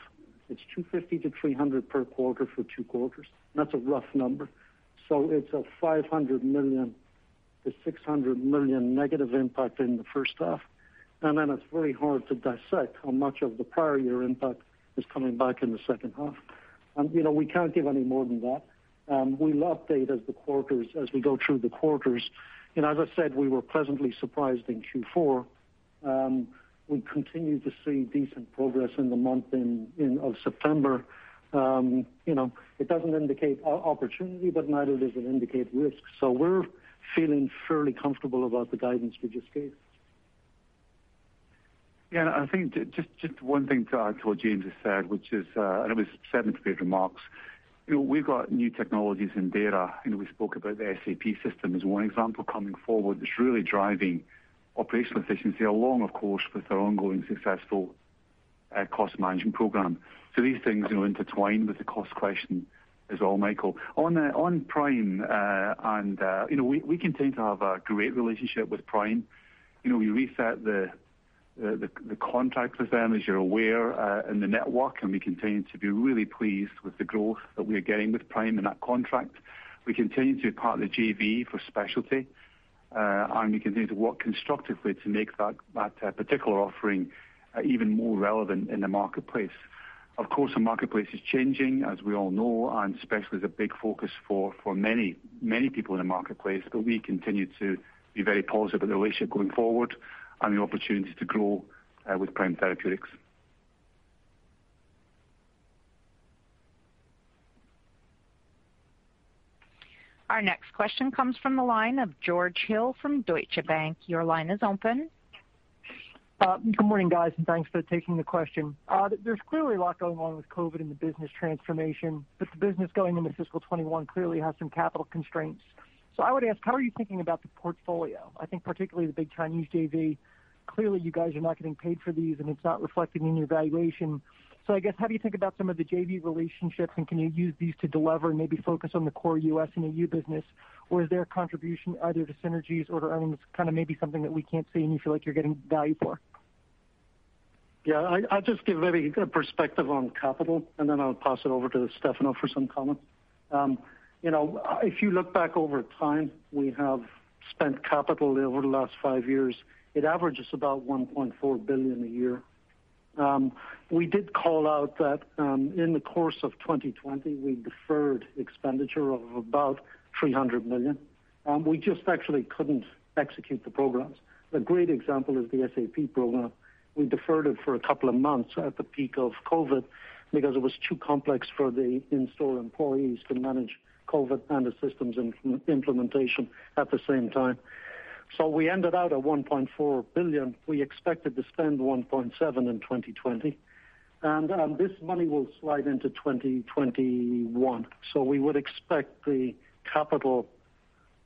it's $250 million-$300 million per quarter for two quarters. That's a rough number. It's a $500 million-$600 million negative impact in the first half. It's very hard to dissect how much of the prior year impact is coming back in the second half. We can't give any more than that. We'll update as we go through the quarters. As I said, we were pleasantly surprised in Q4. We continue to see decent progress in the month of September. It doesn't indicate opportunity, but neither does it indicate risk. We're feeling fairly comfortable about the guidance we just gave. I think just one thing to add to what James has said, and it was said in his previous remarks. We've got new technologies and data. We spoke about the SAP system as one example coming forward that's really driving operational efficiency along, of course, with our ongoing successful cost management program. These things intertwine with the cost question as well, Michael. On Prime, we continue to have a great relationship with Prime. We reset the contract with them, as you're aware, and the network, and we continue to be really pleased with the growth that we are getting with Prime and that contract. We continue to partner the JV for specialty. We continue to work constructively to make that particular offering even more relevant in the marketplace. Of course, the marketplace is changing, as we all know, and specialty is a big focus for many people in the marketplace. We continue to be very positive of the relationship going forward and the opportunity to grow with Prime Therapeutics. Our next question comes from the line of George Hill from Deutsche Bank. Your line is open. Good morning, guys, and thanks for taking the question. There's clearly a lot going on with COVID-19 and the business transformation, the business going into fiscal 2021 clearly has some capital constraints. I would ask, how are you thinking about the portfolio? I think particularly the big Chinese JV. You guys are not getting paid for these, and it's not reflected in your valuation. I guess, how do you think about some of the JV relationships, and can you use these to delever and maybe focus on the core U.S. and EU business? Is there a contribution either to synergies or to earnings, kind of maybe something that we can't see and you feel like you're getting value for? Yeah. I'll just give a perspective on capital, then I'll pass it over to Stefano for some comments. If you look back over time, we have spent capital over the last five years. It averages about $1.4 billion a year. We did call out that in the course of 2020, we deferred expenditure of about $300 million. We just actually couldn't execute the programs. A great example is the SAP program. We deferred it for a couple of months at the peak of COVID because it was too complex for the in-store employees to manage COVID and the systems implementation at the same time. We ended out at $1.4 billion. We expected to spend $1.7 billion in 2020. This money will slide into 2021. We would expect the capital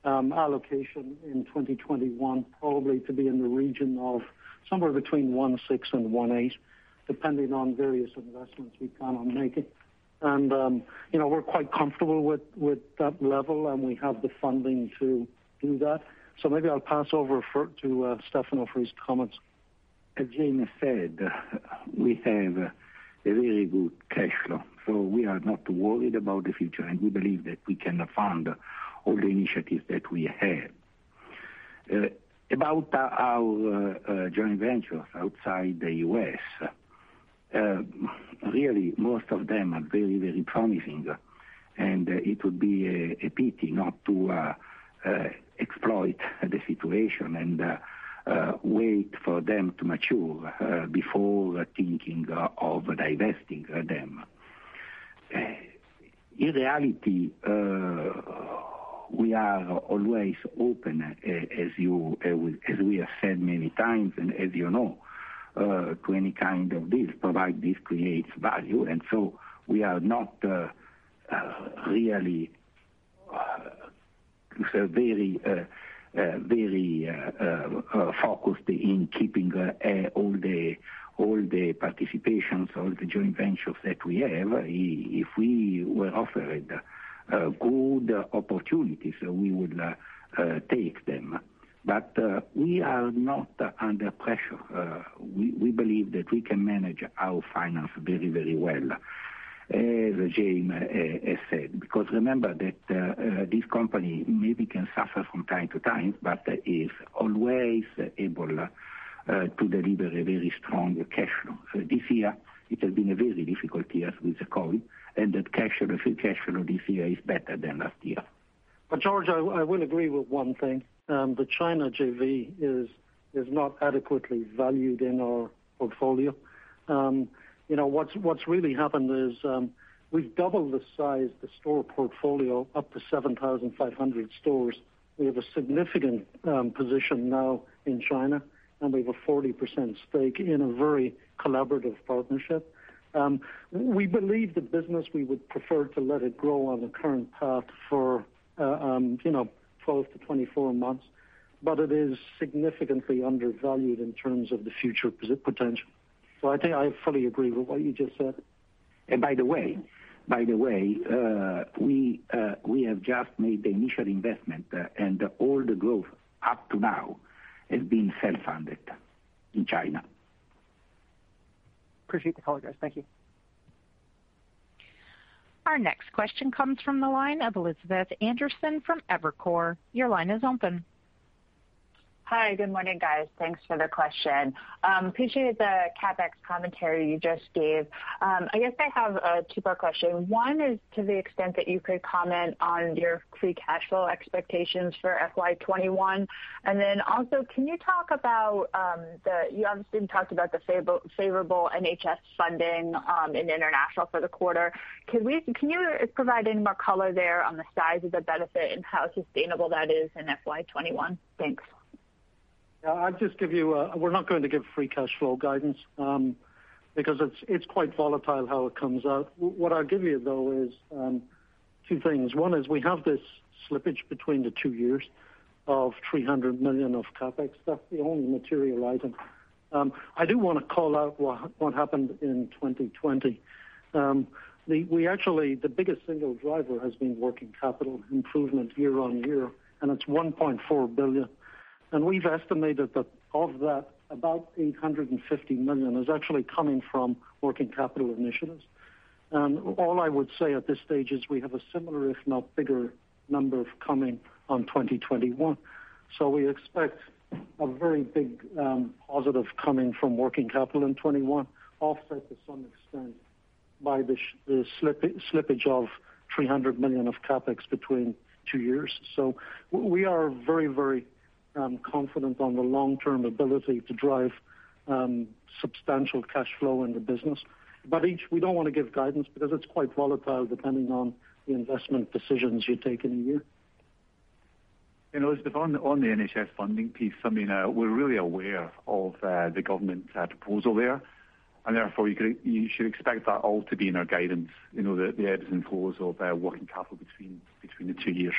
allocation in 2021 probably to be in the region of somewhere between $1.6 and $1.8, depending on various investments we plan on making. We're quite comfortable with that level, and we have the funding to do that. Maybe I'll pass over to Stefano for his comments. As James said, we have a really good cash flow. We are not worried about the future, and we believe that we can fund all the initiatives that we have. About our joint ventures outside the U.S., really, most of them are very promising, and it would be a pity not to exploit the situation and wait for them to mature before thinking of divesting them. In reality, we are always open, as we have said many times and as you know, to any kind of deal, provided this creates value. We are not really very focused on keeping all the participations, all the joint ventures that we have. If we were offered good opportunities, we would take them. We are not under pressure. We believe that we can manage our finances very well, as James has said. Remember that this company maybe can suffer from time to time, but is always able to deliver a very strong cash flow. This year, it has been a very difficult year with the COVID, and the cash flow this year is better than last year. George, I will agree with one thing. The China JV is not adequately valued in our portfolio. What's really happened is we've doubled the size of the store portfolio up to 7,500 stores. We have a significant position now in China, and we have a 40% stake in a very collaborative partnership. We believe the business, we would prefer to let it grow on the current path for 12 to 24 months, it is significantly undervalued in terms of the future potential. I think I fully agree with what you just said. By the way, we have just made the initial investment, and all the growth up to now has been self-funded in China. Appreciate the color, guys. Thank you. Our next question comes from the line of Elizabeth Anderson from Evercore. Hi. Good morning, guys. Thanks for the question. Appreciate the CapEx commentary you just gave. I guess I have a two-part question. One is to the extent that you could comment on your free cash flow expectations for FY 2021. Then also can you talk about, you obviously talked about the favorable NHS funding in international for the quarter. Can you provide any more color there on the size of the benefit and how sustainable that is in FY 2021? Thanks. We're not going to give free cash flow guidance, because it's quite volatile how it comes out. What I'll give you, though, is two things. One is we have this slippage between the two years of $300 million of CapEx. That's the only material item. I do want to call out what happened in 2020. The biggest single driver has been working capital improvement year-on-year, and it's $1.4 billion. We've estimated that of that, about $850 million is actually coming from working capital initiatives. All I would say at this stage is we have a similar, if not bigger, number coming on 2021. We expect a very big positive coming from working capital in 2021, offset to some extent by the slippage of $300 million of CapEx between two years. We are very confident on the long-term ability to drive substantial cash flow in the business. We don't want to give guidance because it's quite volatile depending on the investment decisions you take in a year. Elizabeth, on the NHS funding piece, I mean, we're really aware of the government proposal there, and therefore you should expect that all to be in our guidance, the ebbs and flows of working capital between the two years.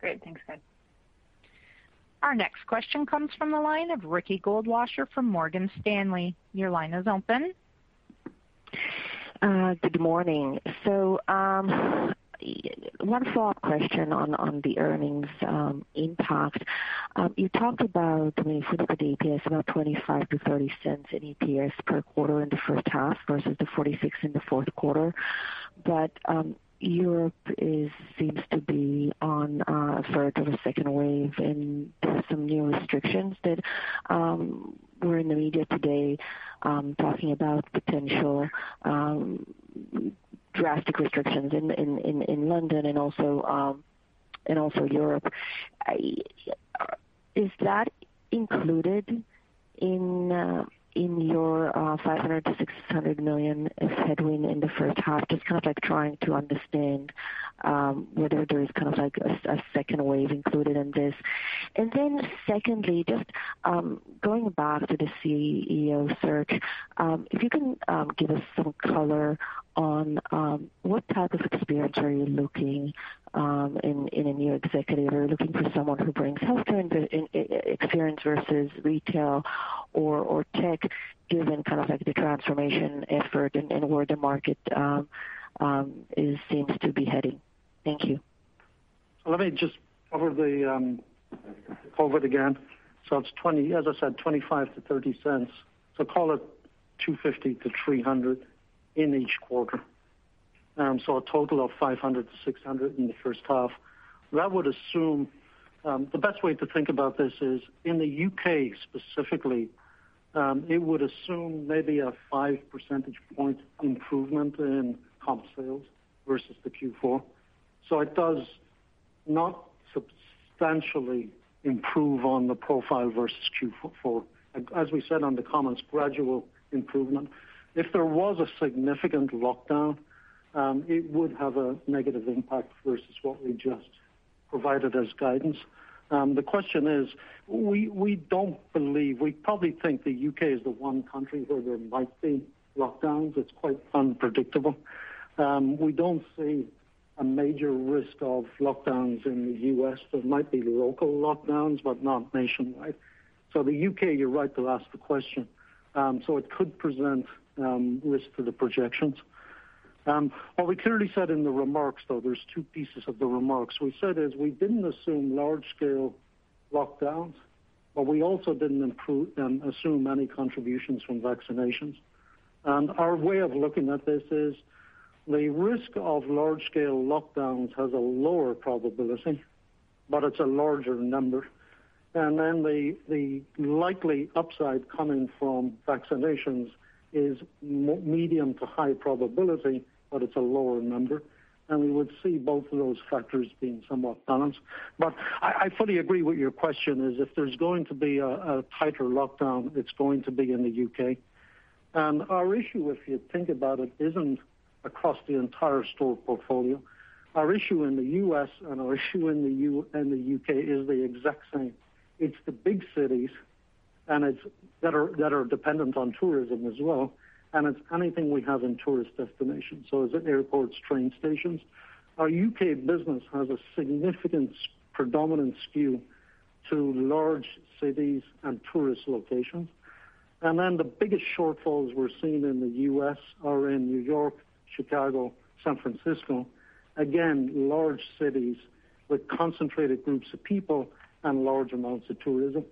Great. Thanks, guys. Our next question comes from the line of Ricky Goldwasser from Morgan Stanley. Your line is open. Good morning. One follow-up question on the earnings impact. You talked about, when you think of the EPS, about $0.25 to $0.30 in EPS per quarter in the first half versus the $0.46 in the fourth quarter. Europe seems to be on a third or a second wave, and there's some new restrictions that were in the media today, talking about potential drastic restrictions in London and also Europe. Is that included in your $500 million to $600 million as headwind in the first half? Just kind of trying to understand whether there is kind of like a second wave included in this. Secondly, just going back to the CEO search, if you can give us some color on what type of experience are you looking in a new executive? Are you looking for someone who brings healthcare experience versus retail or tech, given kind of like the transformation effort and where the market seems to be heading? Thank you. Let me just cover it again. It's, as I said, $0.25 to $0.30, call it $250 to $300 in each quarter. A total of $500 to $600 in the first half. The best way to think about this is, in the U.K. specifically, it would assume maybe a five percentage point improvement in comp sales versus the Q4. It does not substantially improve on the profile versus Q4. As we said on the comments, gradual improvement. If there was a significant lockdown, it would have a negative impact versus what we just provided as guidance. The question is, we probably think the U.K. is the one country where there might be lockdowns. It's quite unpredictable. We don't see a major risk of lockdowns in the U.S. There might be local lockdowns, but not nationwide. The U.K., you're right to ask the question. It could present risk to the projections. What we clearly said in the remarks, though, there's two pieces of the remarks. We said is we didn't assume large-scale lockdowns, but we also didn't assume any contributions from vaccinations. Our way of looking at this is the risk of large-scale lockdowns has a lower probability, but it's a larger number. Then the likely upside coming from vaccinations is medium to high probability, but it's a lower number, and we would see both of those factors being somewhat balanced. I fully agree with your question is if there's going to be a tighter lockdown, it's going to be in the U.K. Our issue, if you think about it, isn't across the entire store portfolio. Our issue in the U.S. and our issue in the U.K. is the exact same. It's the big cities that are dependent on tourism as well, and it's anything we have in tourist destinations. Is it airports, train stations? Our U.K. business has a significant predominant skew to large cities and tourist locations. The biggest shortfalls we're seeing in the U.S. are in New York, Chicago, San Francisco. Again, large cities with concentrated groups of people and large amounts of tourism.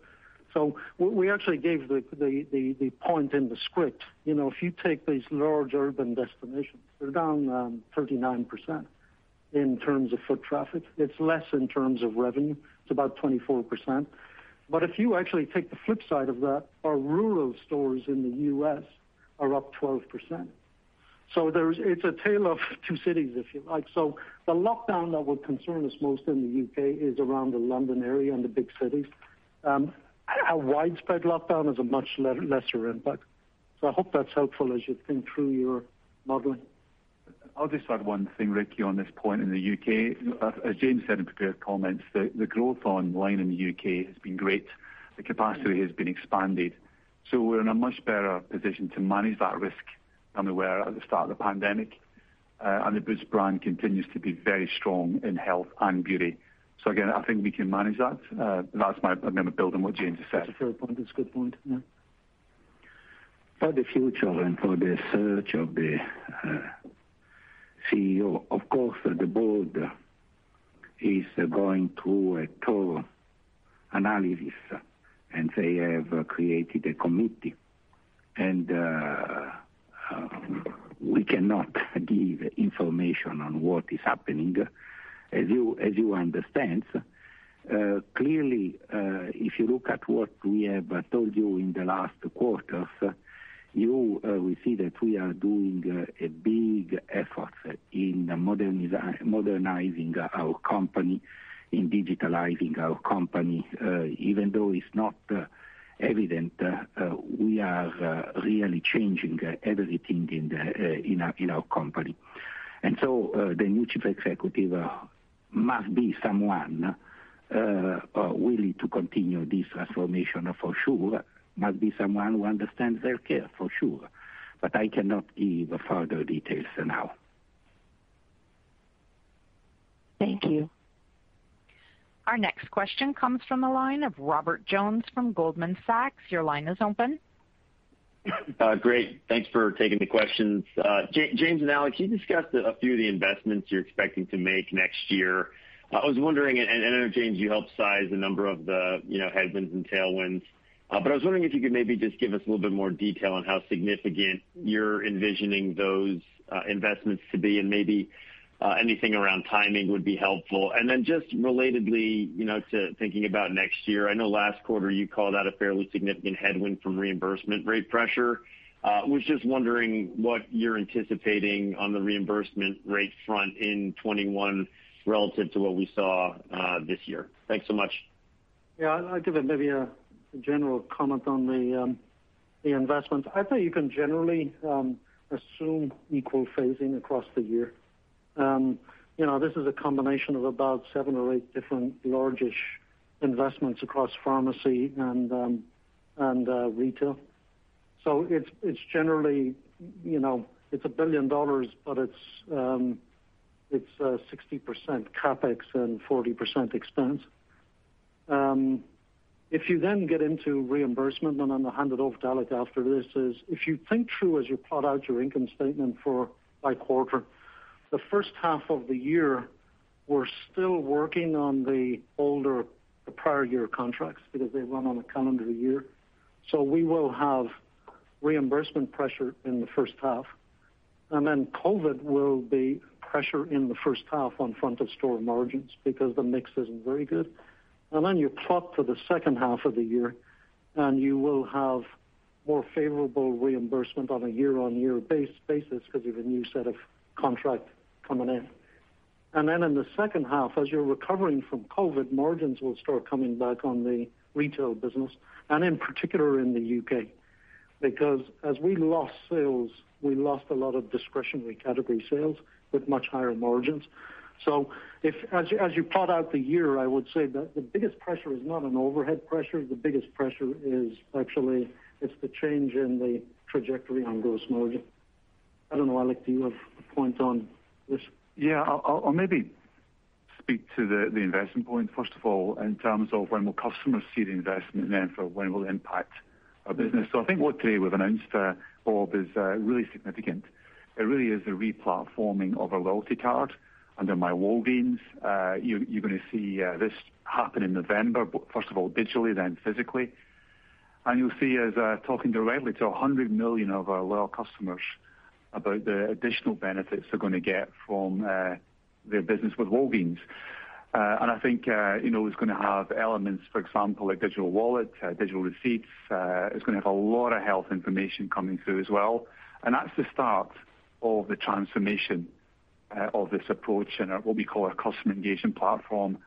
We actually gave the point in the script. If you take these large urban destinations, they're down 39% in terms of foot traffic. It's less in terms of revenue. It's about 24%. If you actually take the flip side of that, our rural stores in the U.S. are up 12%. It's a tale of two cities, if you like. The lockdown that would concern us most in the U.K. is around the London area and the big cities. A widespread lockdown is a much lesser impact. I hope that is helpful as you think through your modeling. I'll just add one thing, Ricky, on this point in the U.K. As James said in prepared comments, the growth online in the U.K. has been great. The capacity has been expanded. We're in a much better position to manage that risk than we were at the start of the pandemic. The Boots brand continues to be very strong in health and beauty. Again, I think we can manage that. I'm going to build on what James has said. That's a fair point. It's a good point, yeah. For the future and for the search of the CEO, of course, the board is going through a thorough analysis, they have created a committee. We cannot give information on what is happening, as you understand. Clearly, if you look at what we have told you in the last quarters, you will see that we are doing a big effort in modernizing our company, in digitalizing our company. Even though it's not evident, we are really changing everything in our company. The new Chief Executive must be someone willing to continue this transformation for sure. Must be someone who understands healthcare for sure. I cannot give further details for now. Thank you. Our next question comes from the line of Robert Jones from Goldman Sachs. Your line is open. Great. Thanks for taking the questions. James and Alex, you discussed a few of the investments you're expecting to make next year. I was wondering, and I know, James, you helped size a number of the headwinds and tailwinds, but I was wondering if you could maybe just give us a little bit more detail on how significant you're envisioning those investments to be, and maybe anything around timing would be helpful. Then just relatedly, to thinking about next year, I know last quarter you called out a fairly significant headwind from reimbursement rate pressure. Was just wondering what you're anticipating on the reimbursement rate front in 2021 relative to what we saw this year. Thanks so much. Yeah, I'll give maybe a general comment on the investments. I think you can generally assume equal phasing across the year. This is a combination of about seven or eight different large-ish investments across pharmacy and retail. It's $1 billion, but it's 60% CapEx and 40% expense. You then get into reimbursement, and I'm going to hand it off to Alex after this is, if you think through as you plot out your income statement by quarter, the first half of the year, we're still working on the older, the prior year contracts because they run on a calendar year. We will have reimbursement pressure in the first half. COVID-19 will be pressure in the first half on front of store margins because the mix isn't very good. Then you plot for the second half of the year, and you will have more favorable reimbursement on a year-on-year basis because you have a new set of contracts coming in. Then in the second half, as you're recovering from COVID-19, margins will start coming back on the retail business and in particular in the U.K. because as we lost sales, we lost a lot of discretionary category sales with much higher margins. As you plot out the year, I would say that the biggest pressure is not an overhead pressure. The biggest pressure is actually, it's the change in the trajectory on gross margin. I don't know, Alex, do you have a point on this? I'll maybe speak to the investment point first of all, in terms of when will customers see the investment and then for when it will impact our business. I think what today we've announced, Rob, is really significant. It really is the re-platforming of our loyalty card under myWalgreens. You're going to see this happen in November, first of all, digitally, then physically. You'll see us talking directly to 100 million of our loyal customers about the additional benefits they're going to get from their business with Walgreens. I think, it's going to have elements, for example, like digital wallet, digital receipts. It's going to have a lot of health information coming through as well. That's the start of the transformation of this approach and what we call our customer engagement platform.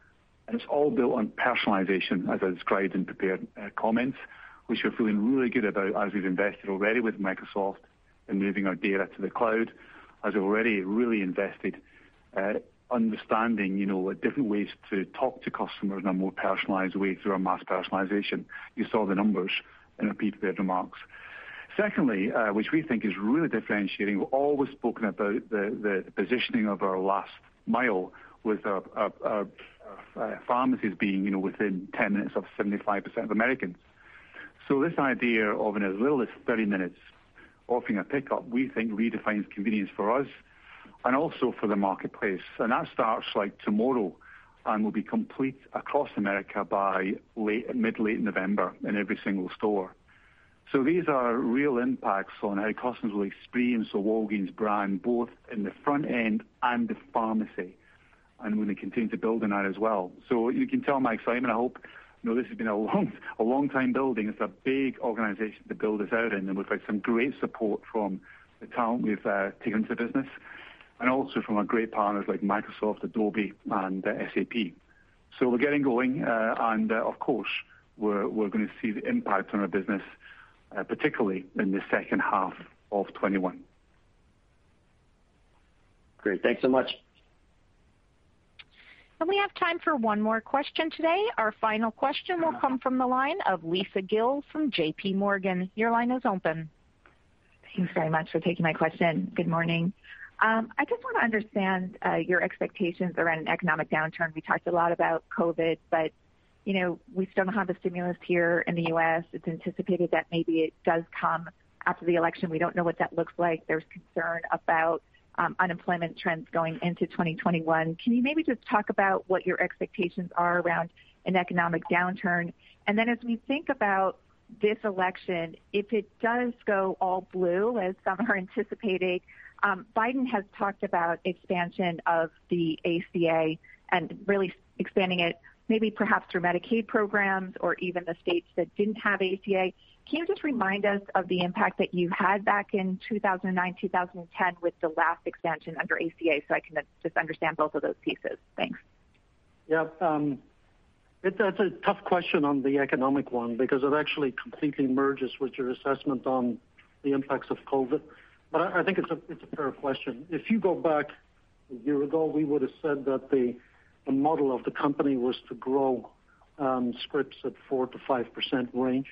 It's all built on personalization as I described in prepared comments, which we're feeling really good about as we've invested already with Microsoft in moving our data to the cloud, as already really invested understanding different ways to talk to customers in a more personalized way through our mass personalization. You saw the numbers in the prepared remarks. Secondly, which we think is really differentiating, we've always spoken about the positioning of our last mile with our pharmacies being within 10 minutes of 75% of Americans. This idea of in as little as 30 minutes offering a pickup we think redefines convenience for us and also for the marketplace. That starts tomorrow and will be complete across America by mid-late November in every single store. These are real impacts on how customers will experience the Walgreens brand, both in the front end and the pharmacy, and we're going to continue to build on that as well. You can tell my excitement, I hope. This has been a long time building. It's a big organization to build this out in, and we've had some great support from the talent we've taken to business and also from our great partners like Microsoft, Adobe, and SAP. We're getting going, and of course, we're going to see the impact on our business, particularly in the second half of 2021. Great. Thanks so much. We have time for one more question today. Our final question will come from the line of Lisa Gill from J.P. Morgan. Your line is open. Thanks very much for taking my question. Good morning. I just want to understand your expectations around an economic downturn. We talked a lot about COVID, but we still don't have the stimulus here in the U.S. It's anticipated that maybe it does come after the election. We don't know what that looks like. There's concern about unemployment trends going into 2021. Can you maybe just talk about what your expectations are around an economic downturn? Then as we think about this election, if it does go all blue as some are anticipating, Biden has talked about expansion of the ACA and really expanding it maybe perhaps through Medicaid programs or even the states that didn't have ACA. Can you just remind us of the impact that you had back in 2009, 2010 with the last expansion under ACA so I can just understand both of those pieces? Thanks. Yeah. That's a tough question on the economic one because it actually completely merges with your assessment on the impacts of COVID. I think it's a fair question. If you go back a year ago, we would've said that the model of the company was to grow scripts at 4%-5% range.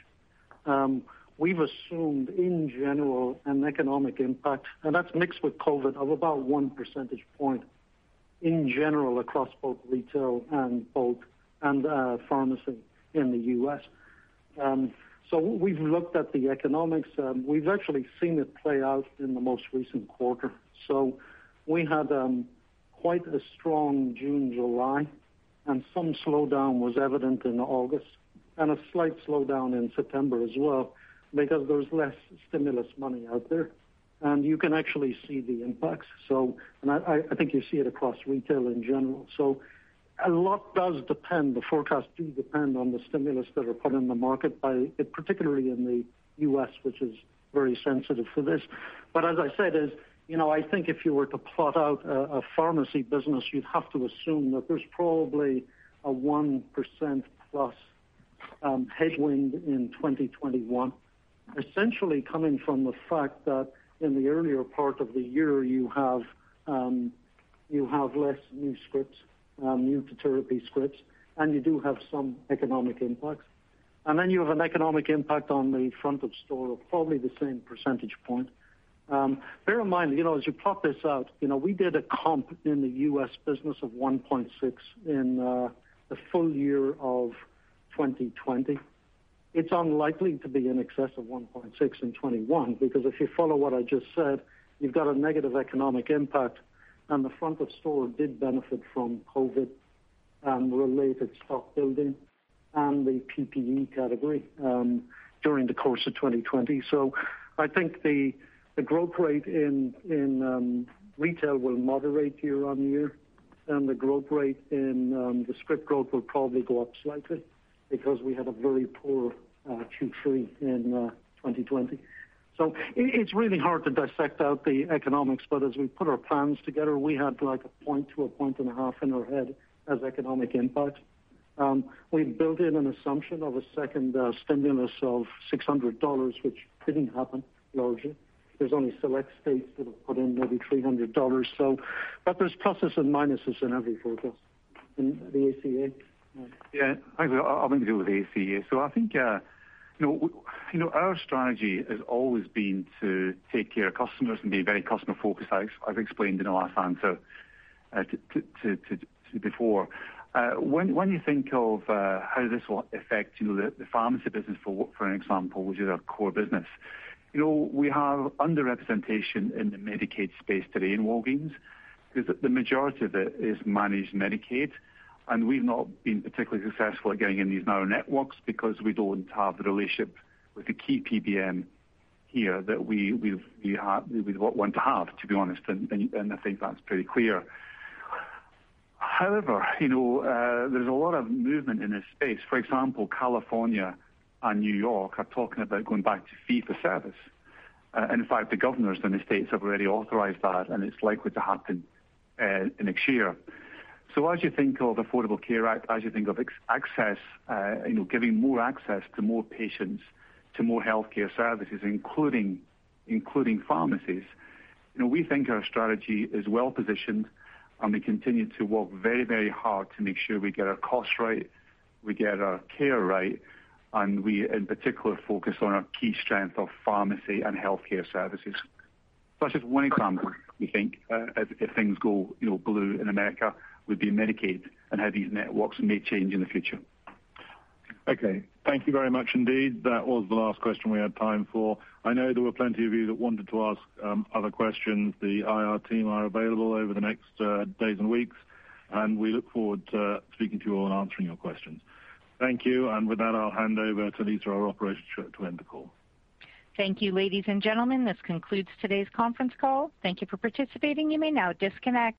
We've assumed in general an economic impact, and that's mixed with COVID, of about one percentage point in general across both retail and pharmacy in the U.S. We've looked at the economics. We've actually seen it play out in the most recent quarter. We had quite a strong June, July, and some slowdown was evident in August and a slight slowdown in September as well because there's less stimulus money out there, and you can actually see the impacts. I think you see it across retail in general. A lot does depend, the forecasts do depend on the stimulus that are put in the market by, particularly in the U.S., which is very sensitive for this. As I said is, I think if you were to plot out a pharmacy business, you'd have to assume that there's probably a 1% plus headwind in 2021. Essentially coming from the fact that in the earlier part of the year, you have less new scripts, new to therapy scripts, and you do have some economic impacts. Then you have an economic impact on the front of store of probably the same percentage point. Bear in mind, as you plot this out, we did a comp in the U.S. business of 1.6 in the full year of 2020. It's unlikely to be in excess of 1.6 in 2021 because if you follow what I just said, you've got a negative economic impact, and the front of store did benefit from COVID and related stock building and the PPE category during the course of 2020. I think the growth rate in retail will moderate year-on-year, and the growth rate in the script growth will probably go up slightly because we had a very poor Q3 in 2020. It's really hard to dissect out the economics, but as we put our plans together, we had like a point to a point and a half in our head as economic impact. We built in an assumption of a second stimulus of $600, which didn't happen largely. There's only select states that have put in maybe $300. There's pluses and minuses in every quarter. The ACA? Yeah. I'm going to deal with ACA. I think our strategy has always been to take care of customers and be very customer focused, as I've explained in the last answer before. When you think of how this will affect the pharmacy business, for example, which is our core business. We have under-representation in the Medicaid space today in Walgreens because the majority of it is managed Medicaid, and we've not been particularly successful at getting in these narrow networks because we don't have the relationship with the key PBM here that we want to have, to be honest. I think that's pretty clear. However, there's a lot of movement in this space. For example, California and New York are talking about going back to fee for service. In fact, the governors in the states have already authorized that, and it's likely to happen in a year. As you think of Affordable Care Act, as you think of access, giving more access to more patients, to more healthcare services, including pharmacies. We think our strategy is well-positioned, and we continue to work very hard to make sure we get our cost right, we get our care right, and we, in particular, focus on our key strength of pharmacy and healthcare services. That's just one example, we think, if things go blue in America would be Medicaid and how these networks may change in the future. Okay. Thank you very much indeed. That was the last question we had time for. I know there were plenty of you that wanted to ask other questions. The IR team are available over the next days and weeks. We look forward to speaking to you all and answering your questions. Thank you. With that, I'll hand over to Lisa, our operator, to end the call. Thank you, ladies and gentlemen. This concludes today's conference call. Thank you for participating. You may now disconnect.